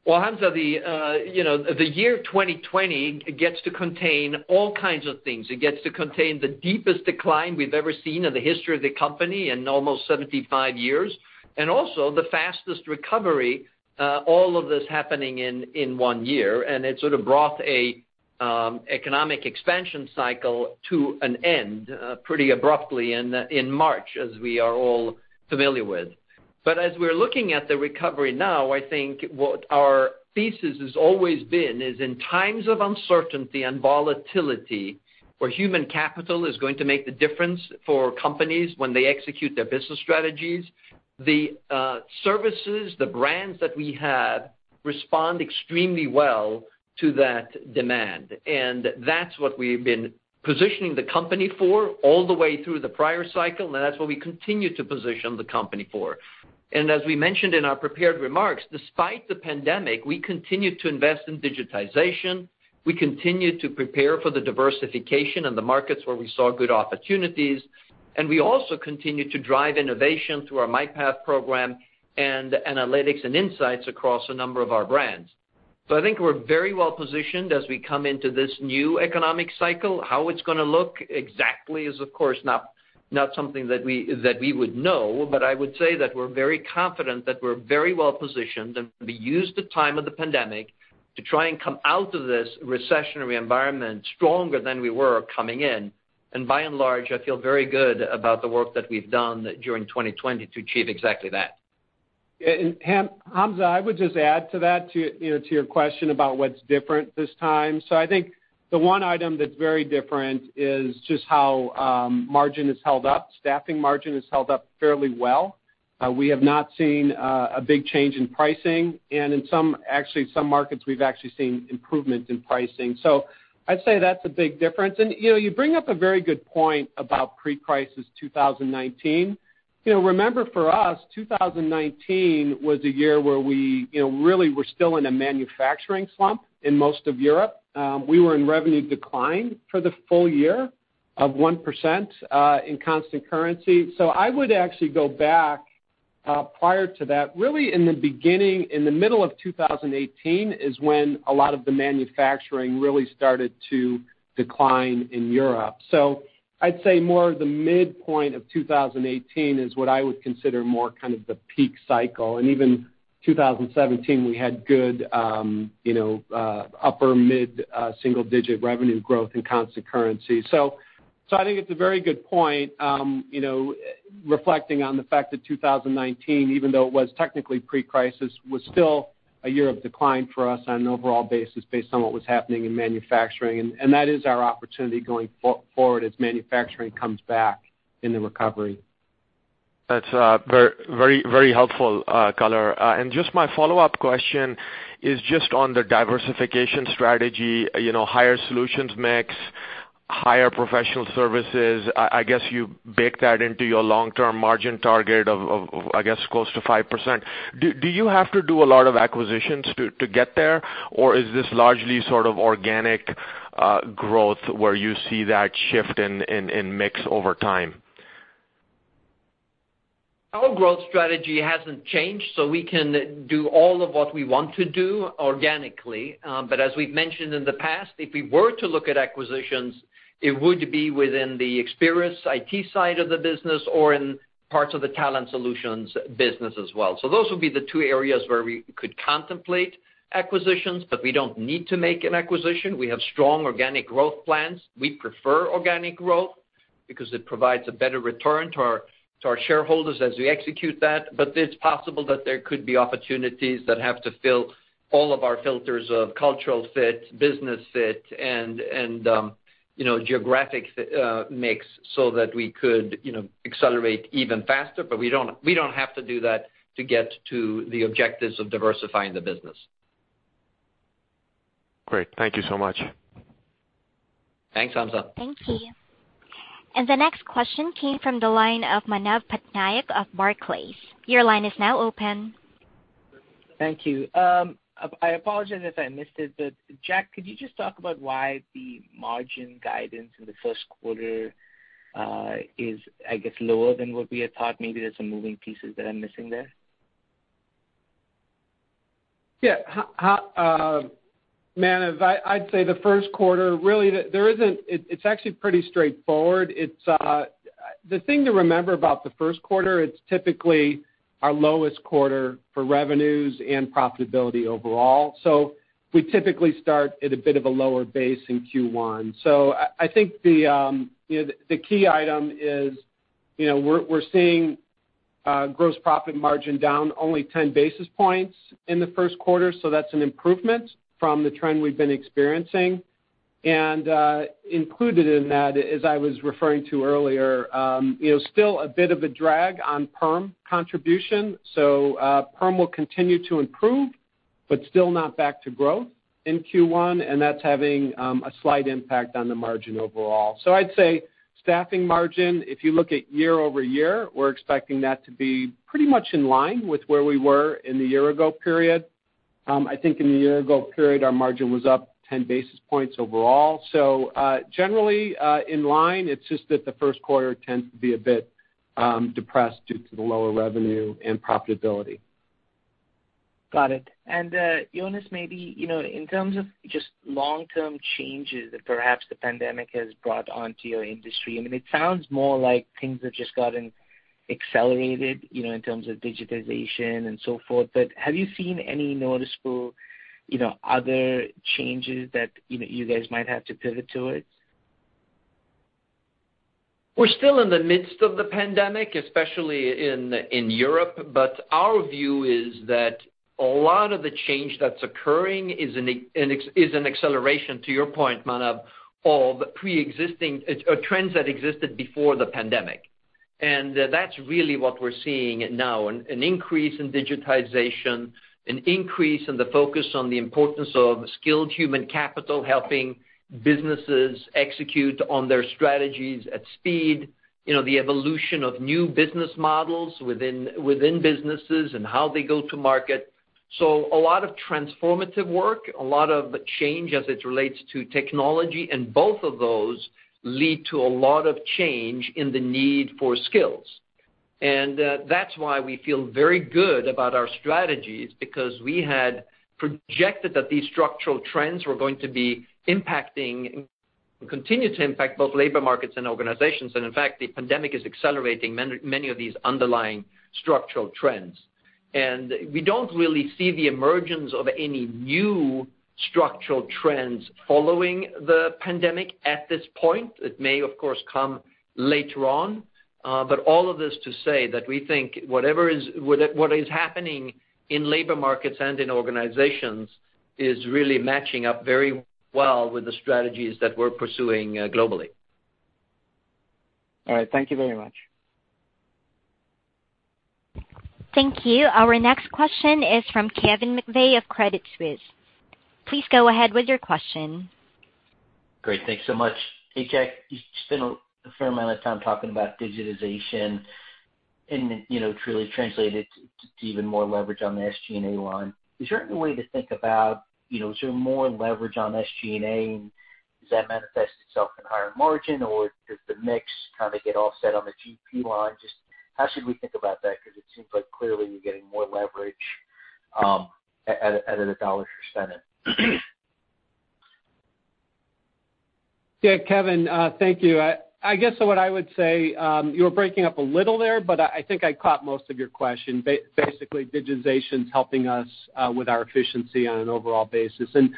Well, Hamzah, the year 2020 gets to contain all kinds of things. It gets to contain the deepest decline we've ever seen in the history of the company in almost 75 years, and also the fastest recovery, all of this happening in one year. It sort of brought an economic expansion cycle to an end pretty abruptly in March, as we are all familiar with. As we're looking at the recovery now, I think what our thesis has always been is in times of uncertainty and volatility, where human capital is going to make the difference for companies when they execute their business strategies, the services, the brands that we have respond extremely well to that demand. That's what we've been positioning the company for all the way through the prior cycle, and that's what we continue to position the company for. As we mentioned in our prepared remarks, despite the pandemic, we continued to invest in digitization. We continued to prepare for the diversification in the markets where we saw good opportunities, and we also continued to drive innovation through our MyPath program and analytics and insights across a number of our brands. I think we're very well-positioned as we come into this new economic cycle. How it's going to look exactly is, of course, not something that we would know, but I would say that we're very confident that we're very well-positioned, and we used the time of the pandemic to try and come out of this recessionary environment stronger than we were coming in. By and large, I feel very good about the work that we've done during 2020 to achieve exactly that. Hamzah, I would just add to that, to your question about what's different this time. I think the one item that's very different is just how margin has held up. Staffing margin has held up fairly well. We have not seen a big change in pricing. In some markets, we've actually seen improvement in pricing. I'd say that's a big difference. You bring up a very good point about pre-crisis 2019. Remember, for us, 2019 was a year where we really were still in a manufacturing slump in most of Europe. We were in revenue decline for the full year of 1% in constant currency. I would actually go back prior to that, really in the middle of 2018 is when a lot of the manufacturing really started to decline in Europe. I'd say more the midpoint of 2018 is what I would consider more kind of the peak cycle. Even 2017, we had good upper mid-single digit revenue growth in constant currency. I think it's a very good point reflecting on the fact that 2019, even though it was technically pre-crisis, was still a year of decline for us on an overall basis based on what was happening in manufacturing, and that is our opportunity going forward as manufacturing comes back in the recovery. That's very helpful color. My follow-up question is just on the diversification strategy, higher solutions mix, higher professional services. I guess you bake that into your long-term margin target of, I guess, close to 5%. Do you have to do a lot of acquisitions to get there? Is this largely sort of organic growth where you see that shift in mix over time? Our growth strategy hasn't changed. We can do all of what we want to do organically. As we've mentioned in the past, if we were to look at acquisitions, it would be within the Experis IT side of the business or in parts of the Talent Solutions business as well. Those would be the two areas where we could contemplate acquisitions, but we don't need to make an acquisition. We have strong organic growth plans. We prefer organic growth because it provides a better return to our shareholders as we execute that. It's possible that there could be opportunities that have to fill all of our filters of cultural fit, business fit, and geographic mix so that we could accelerate even faster. We don't have to do that to get to the objectives of diversifying the business. Great. Thank you so much. Thanks, Hamzah. Thank you. The next question came from the line of Manav Patnaik of Barclays. Your line is now open. Thank you. I apologize if I missed it, but Jack, could you just talk about why the margin guidance in the first quarter is, I guess, lower than what we had thought? Maybe there's some moving pieces that I'm missing there. Manav, I'd say the first quarter, it's actually pretty straightforward. The thing to remember about the first quarter, it's typically our lowest quarter for revenues and profitability overall. We typically start at a bit of a lower base in Q1. I think the key item is we're seeing gross profit margin down only 10 basis points in the first quarter, so that's an improvement from the trend we've been experiencing. Included in that, as I was referring to earlier, still a bit of a drag on perm contribution. Perm will continue to improve, but still not back to growth in Q1, and that's having a slight impact on the margin overall. I'd say staffing margin, if you look at year-over-year, we're expecting that to be pretty much in line with where we were in the year-ago period. I think in the year ago period, our margin was up 10 basis points overall, generally in line. It's just that the first quarter tends to be a bit depressed due to the lower revenue and profitability. Got it. Jonas, maybe in terms of just long-term changes that perhaps the pandemic has brought onto your industry. I mean, it sounds more like things have just gotten accelerated in terms of digitization and so forth. Have you seen any noticeable other changes that you guys might have to pivot towards? We're still in the midst of the pandemic, especially in Europe. Our view is that a lot of the change that's occurring is an acceleration, to your point, Manav, of trends that existed before the pandemic. That's really what we're seeing now, an increase in digitization, an increase in the focus on the importance of skilled human capital, helping businesses execute on their strategies at speed, the evolution of new business models within businesses and how they go to market. A lot of transformative work, a lot of change as it relates to technology, and both of those lead to a lot of change in the need for skills. That's why we feel very good about our strategies, because we had projected that these structural trends were going to be impacting, and continue to impact, both labor markets and organizations. In fact, the pandemic is accelerating many of these underlying structural trends. We don't really see the emergence of any new structural trends following the pandemic at this point. It may, of course, come later on. All of this to say that we think what is happening in labor markets and in organizations is really matching up very well with the strategies that we're pursuing globally. All right. Thank you very much. Thank you. Our next question is from Kevin McVeigh of Credit Suisse. Please go ahead with your question. Great. Thanks so much. you spent a fair amount of time talking about digitization and truly translate it to even more leverage on the SG&A line. Is there any way to think about, is there more leverage on SG&A, and does that manifest itself in higher margin, or does the mix kind of get offset on the GP line? Just how should we think about that? Because it seems like clearly you're getting more leverage out of the dollars you're spending. Yeah, Kevin, thank you. I guess what I would say, you were breaking up a little there, but I think I caught most of your question. Basically, digitization's helping us with our efficiency on an overall basis, and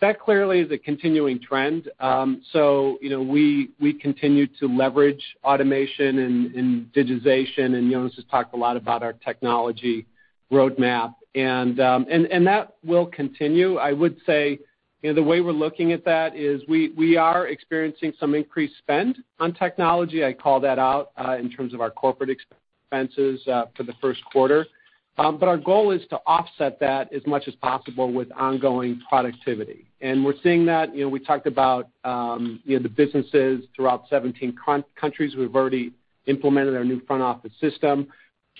that clearly is a continuing trend. We continue to leverage automation and digitization, and Jonas has talked a lot about our technology roadmap, and that will continue. I would say the way we're looking at that is we are experiencing some increased spend on technology. I call that out in terms of our corporate expenses for the first quarter. Our goal is to offset that as much as possible with ongoing productivity. We're seeing that. We talked about the businesses throughout 17 countries. We've already implemented our new front office system.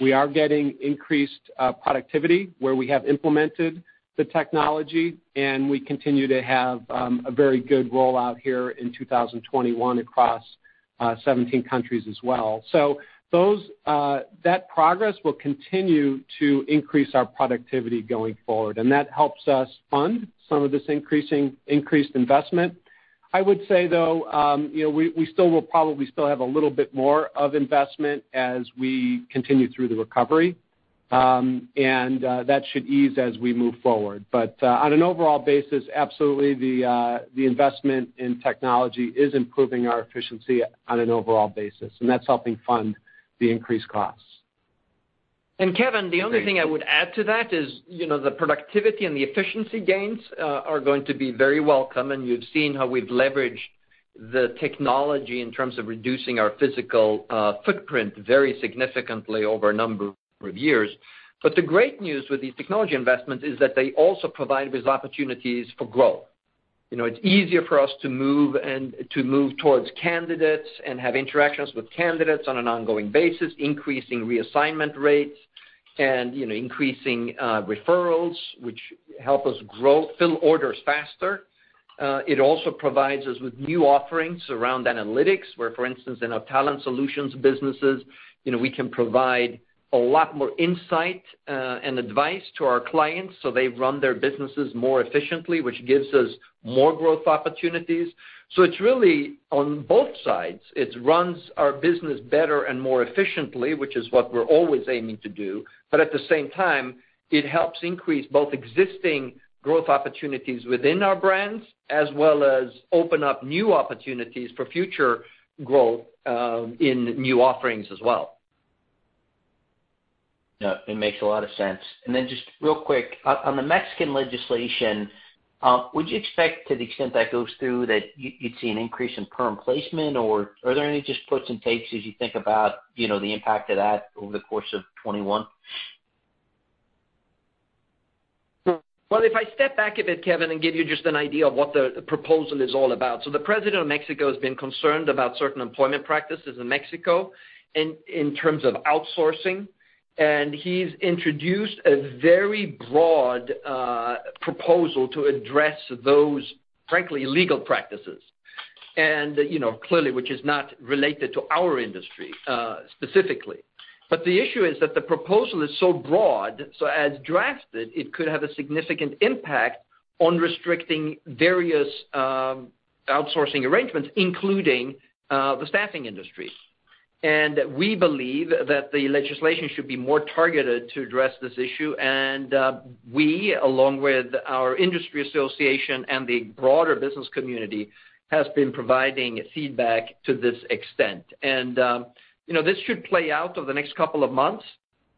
We are getting increased productivity where we have implemented the technology, and we continue to have a very good rollout here in 2021 across 17 countries as well. That progress will continue to increase our productivity going forward, and that helps us fund some of this increased investment. I would say, though, we still will probably still have a little bit more of investment as we continue through the recovery, and that should ease as we move forward. On an overall basis, absolutely, the investment in technology is improving our efficiency on an overall basis, and that's helping fund the increased costs. Kevin, the only thing I would add to that is the productivity and the efficiency gains are going to be very welcome, you've seen how we've leveraged the technology in terms of reducing our physical footprint very significantly over a number of years. The great news with these technology investments is that they also provide us opportunities for growth. It's easier for us to move towards candidates and have interactions with candidates on an ongoing basis, increasing reassignment rates and increasing referrals, which help us fill orders faster. It also provides us with new offerings around analytics, where, for instance, in our Talent Solutions businesses, we can provide a lot more insight and advice to our clients so they run their businesses more efficiently, which gives us more growth opportunities. It's really on both sides. It runs our business better and more efficiently, which is what we're always aiming to do. At the same time, it helps increase both existing growth opportunities within our brands, as well as open up new opportunities for future growth in new offerings as well. Yeah, it makes a lot of sense. Just real quick, on the Mexican legislation, would you expect to the extent that goes through that you'd see an increase in perm placement, or are there any just puts and takes as you think about the impact of that over the course of 2021? Well, if I step back a bit, Kevin, and give you just an idea of what the proposal is all about. The President of Mexico has been concerned about certain employment practices in Mexico in terms of outsourcing, and he's introduced a very broad proposal to address those, frankly, illegal practices, and clearly, which is not related to our industry, specifically. The issue is that the proposal is so broad, so as drafted, it could have a significant impact on restricting various outsourcing arrangements, including the staffing industry. We believe that the legislation should be more targeted to address this issue. We, along with our industry association and the broader business community, has been providing feedback to this extent. This should play out over the next couple of months,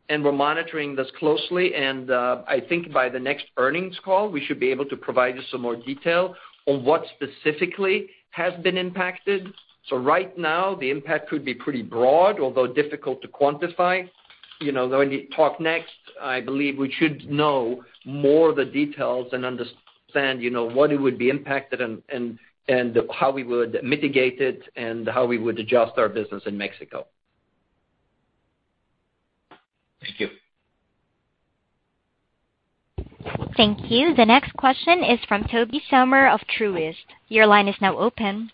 and we're monitoring this closely. I think by the next earnings call, we should be able to provide you some more detail on what specifically has been impacted. Right now, the impact could be pretty broad, although difficult to quantify. When we talk next, I believe we should know more of the details and understand what it would be impacted and how we would mitigate it, and how we would adjust our business in Mexico. Thank you. Thank you. The next question is from Tobey Sommer of Truist. Your line is now open.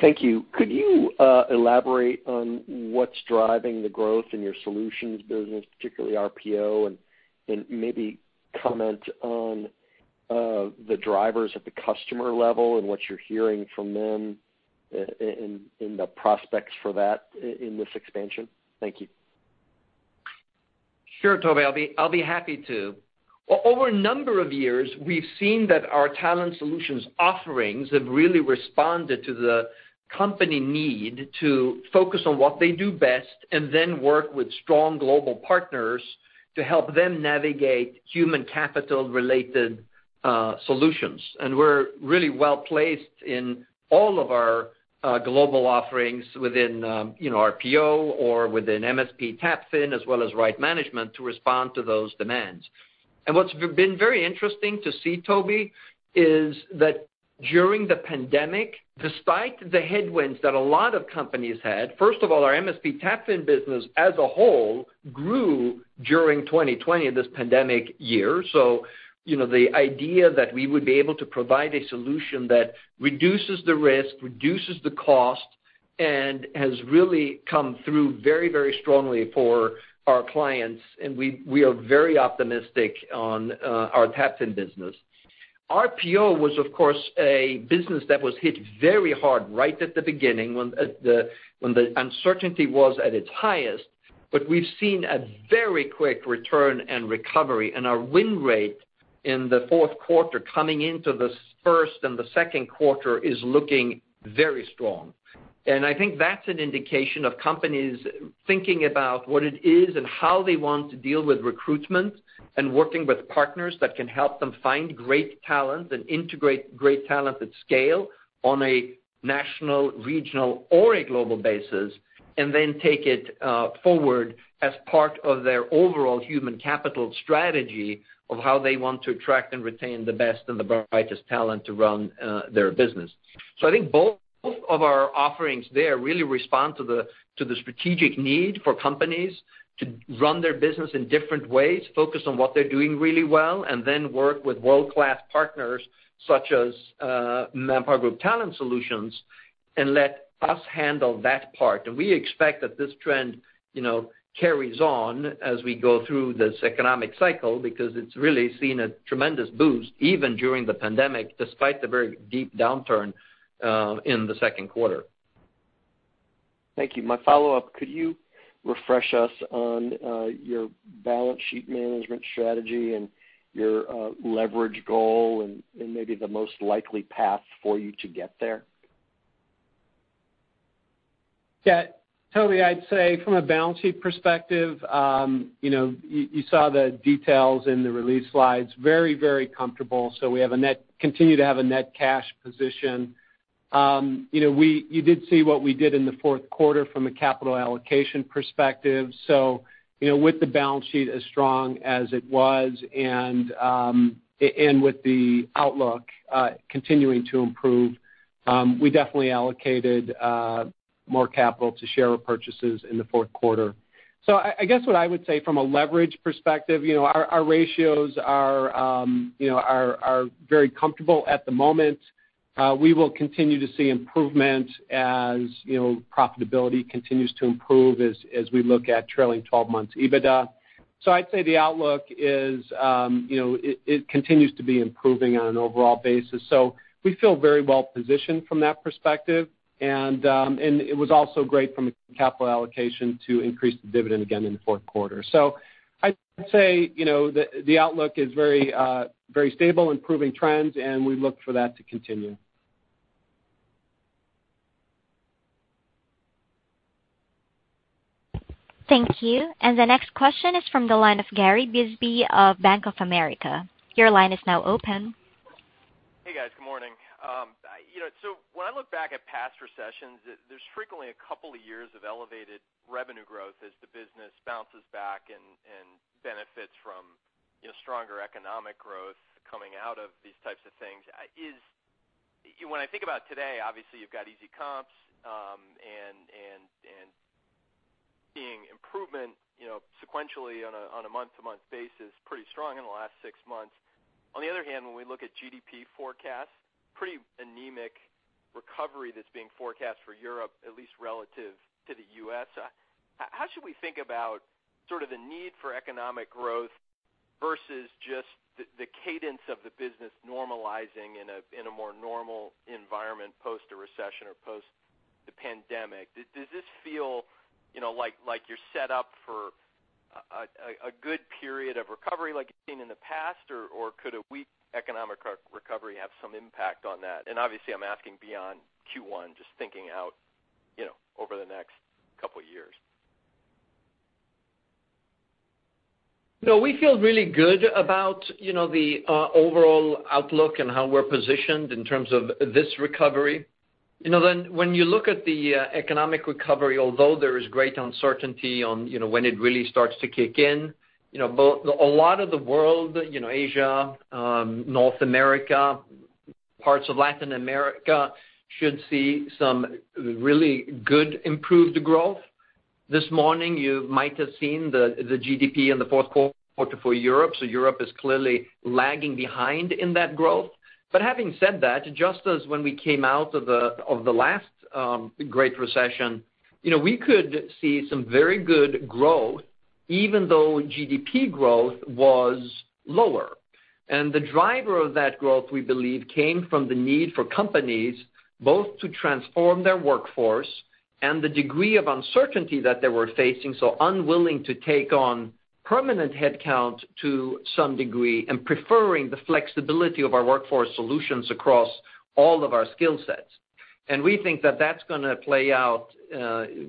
Thank you. Could you elaborate on what's driving the growth in your solutions business, particularly RPO? Maybe comment on the drivers at the customer level and what you're hearing from them and the prospects for that in this expansion. Thank you. Sure, Tobey. I'll be happy to. Over a number of years, we've seen that our Talent Solutions offerings have really responded to the company need to focus on what they do best, and then work with strong global partners to help them navigate human capital-related solutions. We're really well-placed in all of our global offerings within RPO or within MSP staffing, as well as Right Management, to respond to those demands. What's been very interesting to see, Tobey, is that during the pandemic, despite the headwinds that a lot of companies had, first of all, our MSP Staffing business as a whole grew during 2020, this pandemic year. The idea that we would be able to provide a solution that reduces the risk, reduces the cost, and has really come through very strongly for our clients, and we are very optimistic on our staffing business. RPO was, of course, a business that was hit very hard right at the beginning when the uncertainty was at its highest. We've seen a very quick return and recovery. Our win rate in the fourth quarter coming into this first and the second quarter is looking very strong. I think that's an indication of companies thinking about what it is and how they want to deal with recruitment and working with partners that can help them find great talent and integrate great talent at scale on a national, regional, or a global basis, then take it forward as part of their overall human capital strategy of how they want to attract and retain the best and the brightest talent to run their business. I think both of our offerings there really respond to the strategic need for companies to run their business in different ways, focus on what they're doing really well, and then work with world-class partners such as ManpowerGroup Talent Solutions, and let us handle that part. We expect that this trend carries on as we go through this economic cycle because it's really seen a tremendous boost even during the pandemic, despite the very deep downturn in the second quarter. Thank you. My follow-up, could you refresh us on your balance sheet management strategy and your leverage goal and maybe the most likely path for you to get there? Tobey, I'd say from a balance sheet perspective, you saw the details in the release slides. Very comfortable. We continue to have a net cash position. You did see what we did in the fourth quarter from a capital allocation perspective. With the balance sheet as strong as it was and with the outlook continuing to improve, we definitely allocated more capital to share repurchases in the fourth quarter. I guess what I would say from a leverage perspective, our ratios are very comfortable at the moment. We will continue to see improvement as profitability continues to improve as we look at trailing 12 months EBITDA. I'd say the outlook continues to be improving on an overall basis. We feel very well-positioned from that perspective, and it was also great from a capital allocation to increase the dividend again in the fourth quarter. I'd say the outlook is very stable, improving trends, and we look for that to continue. Thank you. The next question is from the line of Gary Bisbee of Bank of America. Your line is now open. Hey, guys. Good morning. When I look back at past recessions, there's frequently a couple of years of elevated revenue growth as the business bounces back and benefits from stronger economic growth coming out of these types of things. When I think about today, obviously you've got easy comps and seeing improvement sequentially on a month-to-month basis, pretty strong in the last six months. On the other hand, when we look at GDP forecasts, pretty anemic recovery that's being forecast for Europe, at least relative to the U.S. How should we think about sort of the need for economic growth versus just the cadence of the business normalizing in a more normal environment post the recession or post the pandemic. Does this feel like you're set up for a good period of recovery like you've seen in the past, or could a weak economic recovery have some impact on that? Obviously, I'm asking beyond Q1, just thinking out over the next couple of years. No, we feel really good about the overall outlook and how we're positioned in terms of this recovery. When you look at the economic recovery, although there is great uncertainty on when it really starts to kick in, a lot of the world, Asia, North America, parts of Latin America, should see some really good improved growth. This morning, you might have seen the GDP in the fourth quarter for Europe. Europe is clearly lagging behind in that growth. Having said that, just as when we came out of the last great recession, we could see some very good growth, even though GDP growth was lower. The driver of that growth, we believe, came from the need for companies both to transform their workforce and the degree of uncertainty that they were facing, so unwilling to take on permanent headcount to some degree, and preferring the flexibility of our workforce solutions across all of our skill sets. We think that that's going to play out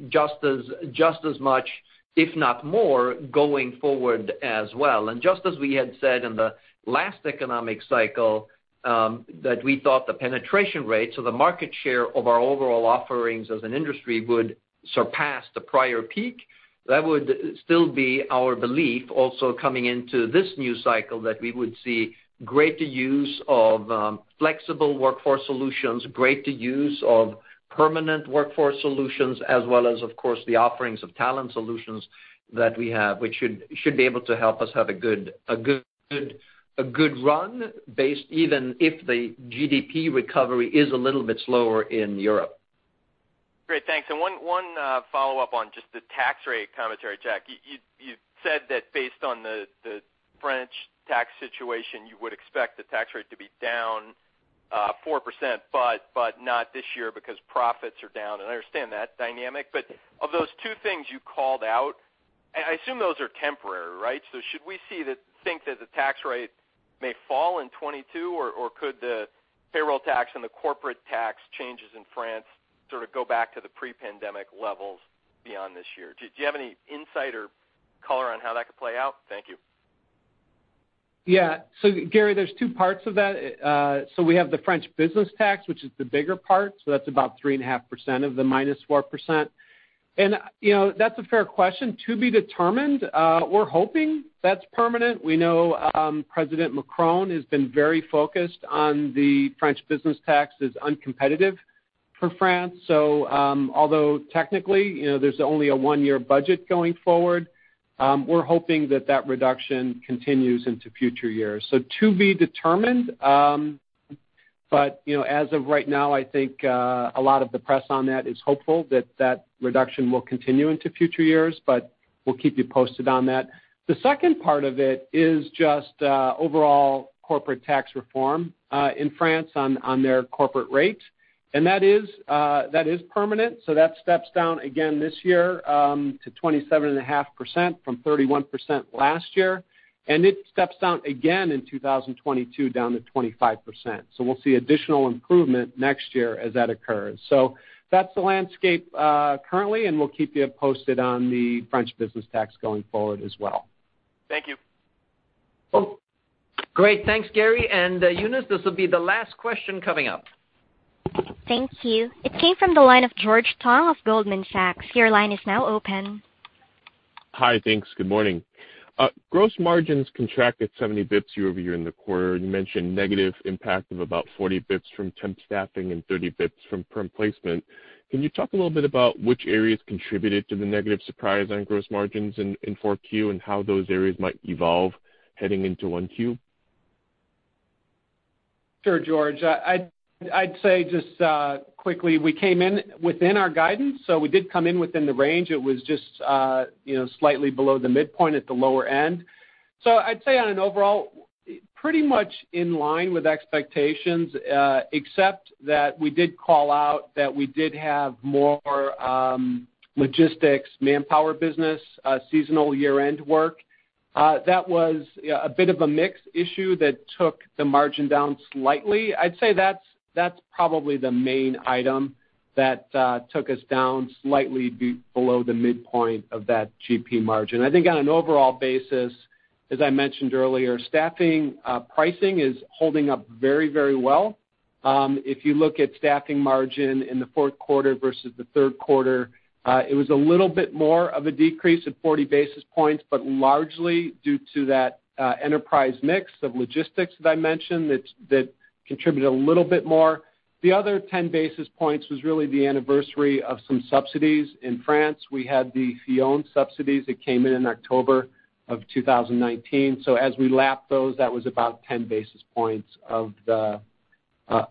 just as much, if not more, going forward as well. Just as we had said in the last economic cycle, that we thought the penetration rate, so the market share of our overall offerings as an industry would surpass the prior peak. That would still be our belief also coming into this new cycle, that we would see greater use of flexible workforce solutions, greater use of permanent workforce solutions, as well as, of course, the offerings of talent solutions that we have, which should be able to help us have a good run, even if the GDP recovery is a little bit slower in Europe. Great. Thanks. One follow-up on just the tax rate commentary, Jack. You said that based on the French tax situation, you would expect the tax rate to be down 4%, but not this year because profits are down. I understand that dynamic. Of those two things you called out, I assume those are temporary, right? Should we think that the tax rate may fall in 2022, or could the payroll tax and the corporate tax changes in France sort of go back to the pre-pandemic levels beyond this year? Do you have any insight or color on how that could play out? Thank you. Yeah. Gary, there's two parts of that. We have the French business tax, which is the bigger part, that's about 3.5% of the -4%. That's a fair question. To be determined. We're hoping that's permanent. We know President Macron has been very focused on the French business tax is uncompetitive for France. Although technically, there's only a one-year budget going forward, we're hoping that that reduction continues into future years. To be determined. As of right now, I think a lot of the press on that is hopeful that that reduction will continue into future years, we'll keep you posted on that. The second part of it is just overall corporate tax reform in France on their corporate rate. That is permanent. That steps down again this year to 27.5% from 31% last year. It steps down again in 2022, down to 25%. We'll see additional improvement next year as that occurs. That's the landscape currently, and we'll keep you posted on the French business tax going forward as well. Thank you. Great. Thanks, Gary. Eunice, this will be the last question coming up. Thank you. It came from the line of George Tong of Goldman Sachs. Your line is now open. Hi, thanks. Good morning. Gross margins contracted 70 basis points year-over-year in the quarter. You mentioned negative impact of about 40 basis points from temp staffing and 30 basis points from perm placement. Can you talk a little bit about which areas contributed to the negative surprise on gross margins in 4Q and how those areas might evolve heading into 1Q? Sure, George. I'd say just quickly, we came in within our guidance. We did come in within the range. It was just slightly below the midpoint at the lower end. I'd say on an overall, pretty much in line with expectations, except that we did call out that we did have more logistics Manpower business, seasonal year-end work. That was a bit of a mix issue that took the margin down slightly. I'd say that's probably the main item that took us down slightly below the midpoint of that GP margin. I think on an overall basis, as I mentioned earlier, staffing pricing is holding up very well. If you look at staffing margin in the fourth quarter versus the third quarter, it was a little bit more of a decrease at 40 basis points, but largely due to that enterprise mix of logistics that I mentioned that contributed a little bit more. The other 10 basis points was really the anniversary of some subsidies in France. We had the Fillon subsidies that came in in October of 2019. As we lapped those, that was about 10 basis points of the.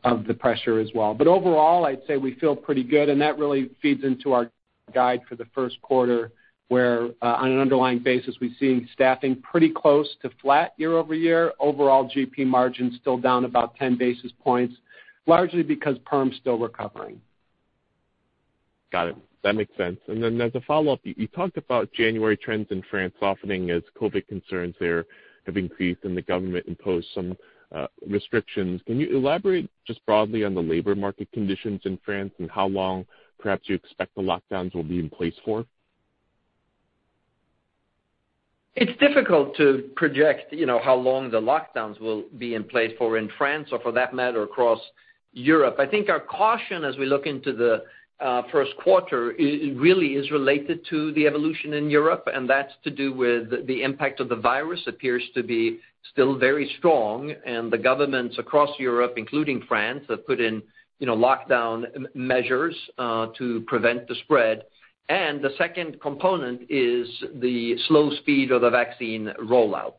Of the pressure as well. Overall, I'd say we feel pretty good, and that really feeds into our guide for the first quarter where, on an underlying basis, we've seen staffing pretty close to flat year-over-year. Overall GP margin still down about 10 basis points, largely because perm's still recovering. Got it. That makes sense. As a follow-up, you talked about January trends in France softening as COVID concerns there have increased, and the government imposed some restrictions. Can you elaborate just broadly on the labor market conditions in France and how long perhaps you expect the lockdowns will be in place for? It's difficult to project how long the lockdowns will be in place for in France or for that matter, across Europe. I think our caution as we look into the first quarter really is related to the evolution in Europe, and that's to do with the impact of the virus appears to be still very strong. The governments across Europe, including France, have put in lockdown measures to prevent the spread. The second component is the slow speed of the vaccine rollout.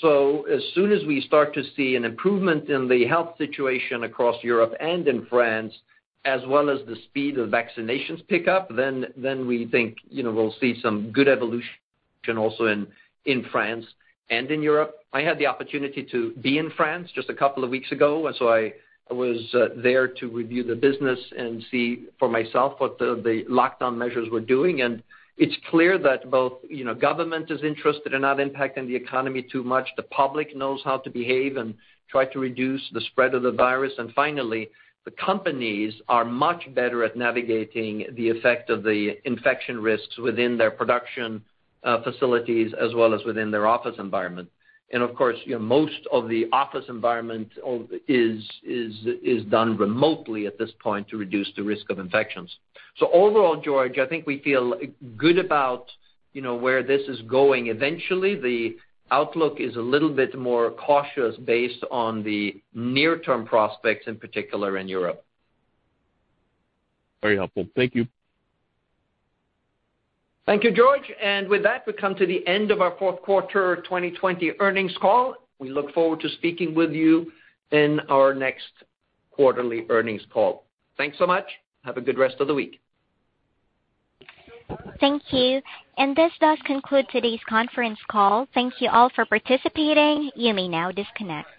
As soon as we start to see an improvement in the health situation across Europe and in France, as well as the speed of vaccinations pick up, then we think we'll see some good evolution also in France and in Europe. I had the opportunity to be in France just a couple of weeks ago, and so I was there to review the business and see for myself what the lockdown measures were doing. It's clear that both government is interested in not impacting the economy too much. The public knows how to behave and try to reduce the spread of the virus. Finally, the companies are much better at navigating the effect of the infection risks within their production facilities as well as within their office environment. Of course, most of the office environment is done remotely at this point to reduce the risk of infections. Overall, George, I think we feel good about where this is going. Eventually, the outlook is a little bit more cautious based on the near-term prospects, in particular in Europe. Very helpful. Thank you. Thank you, George. With that, we come to the end of our fourth quarter 2020 earnings call. We look forward to speaking with you in our next quarterly earnings call. Thanks so much. Have a good rest of the week. Thank you. This does conclude today's conference call. Thank you all for participating. You may now disconnect.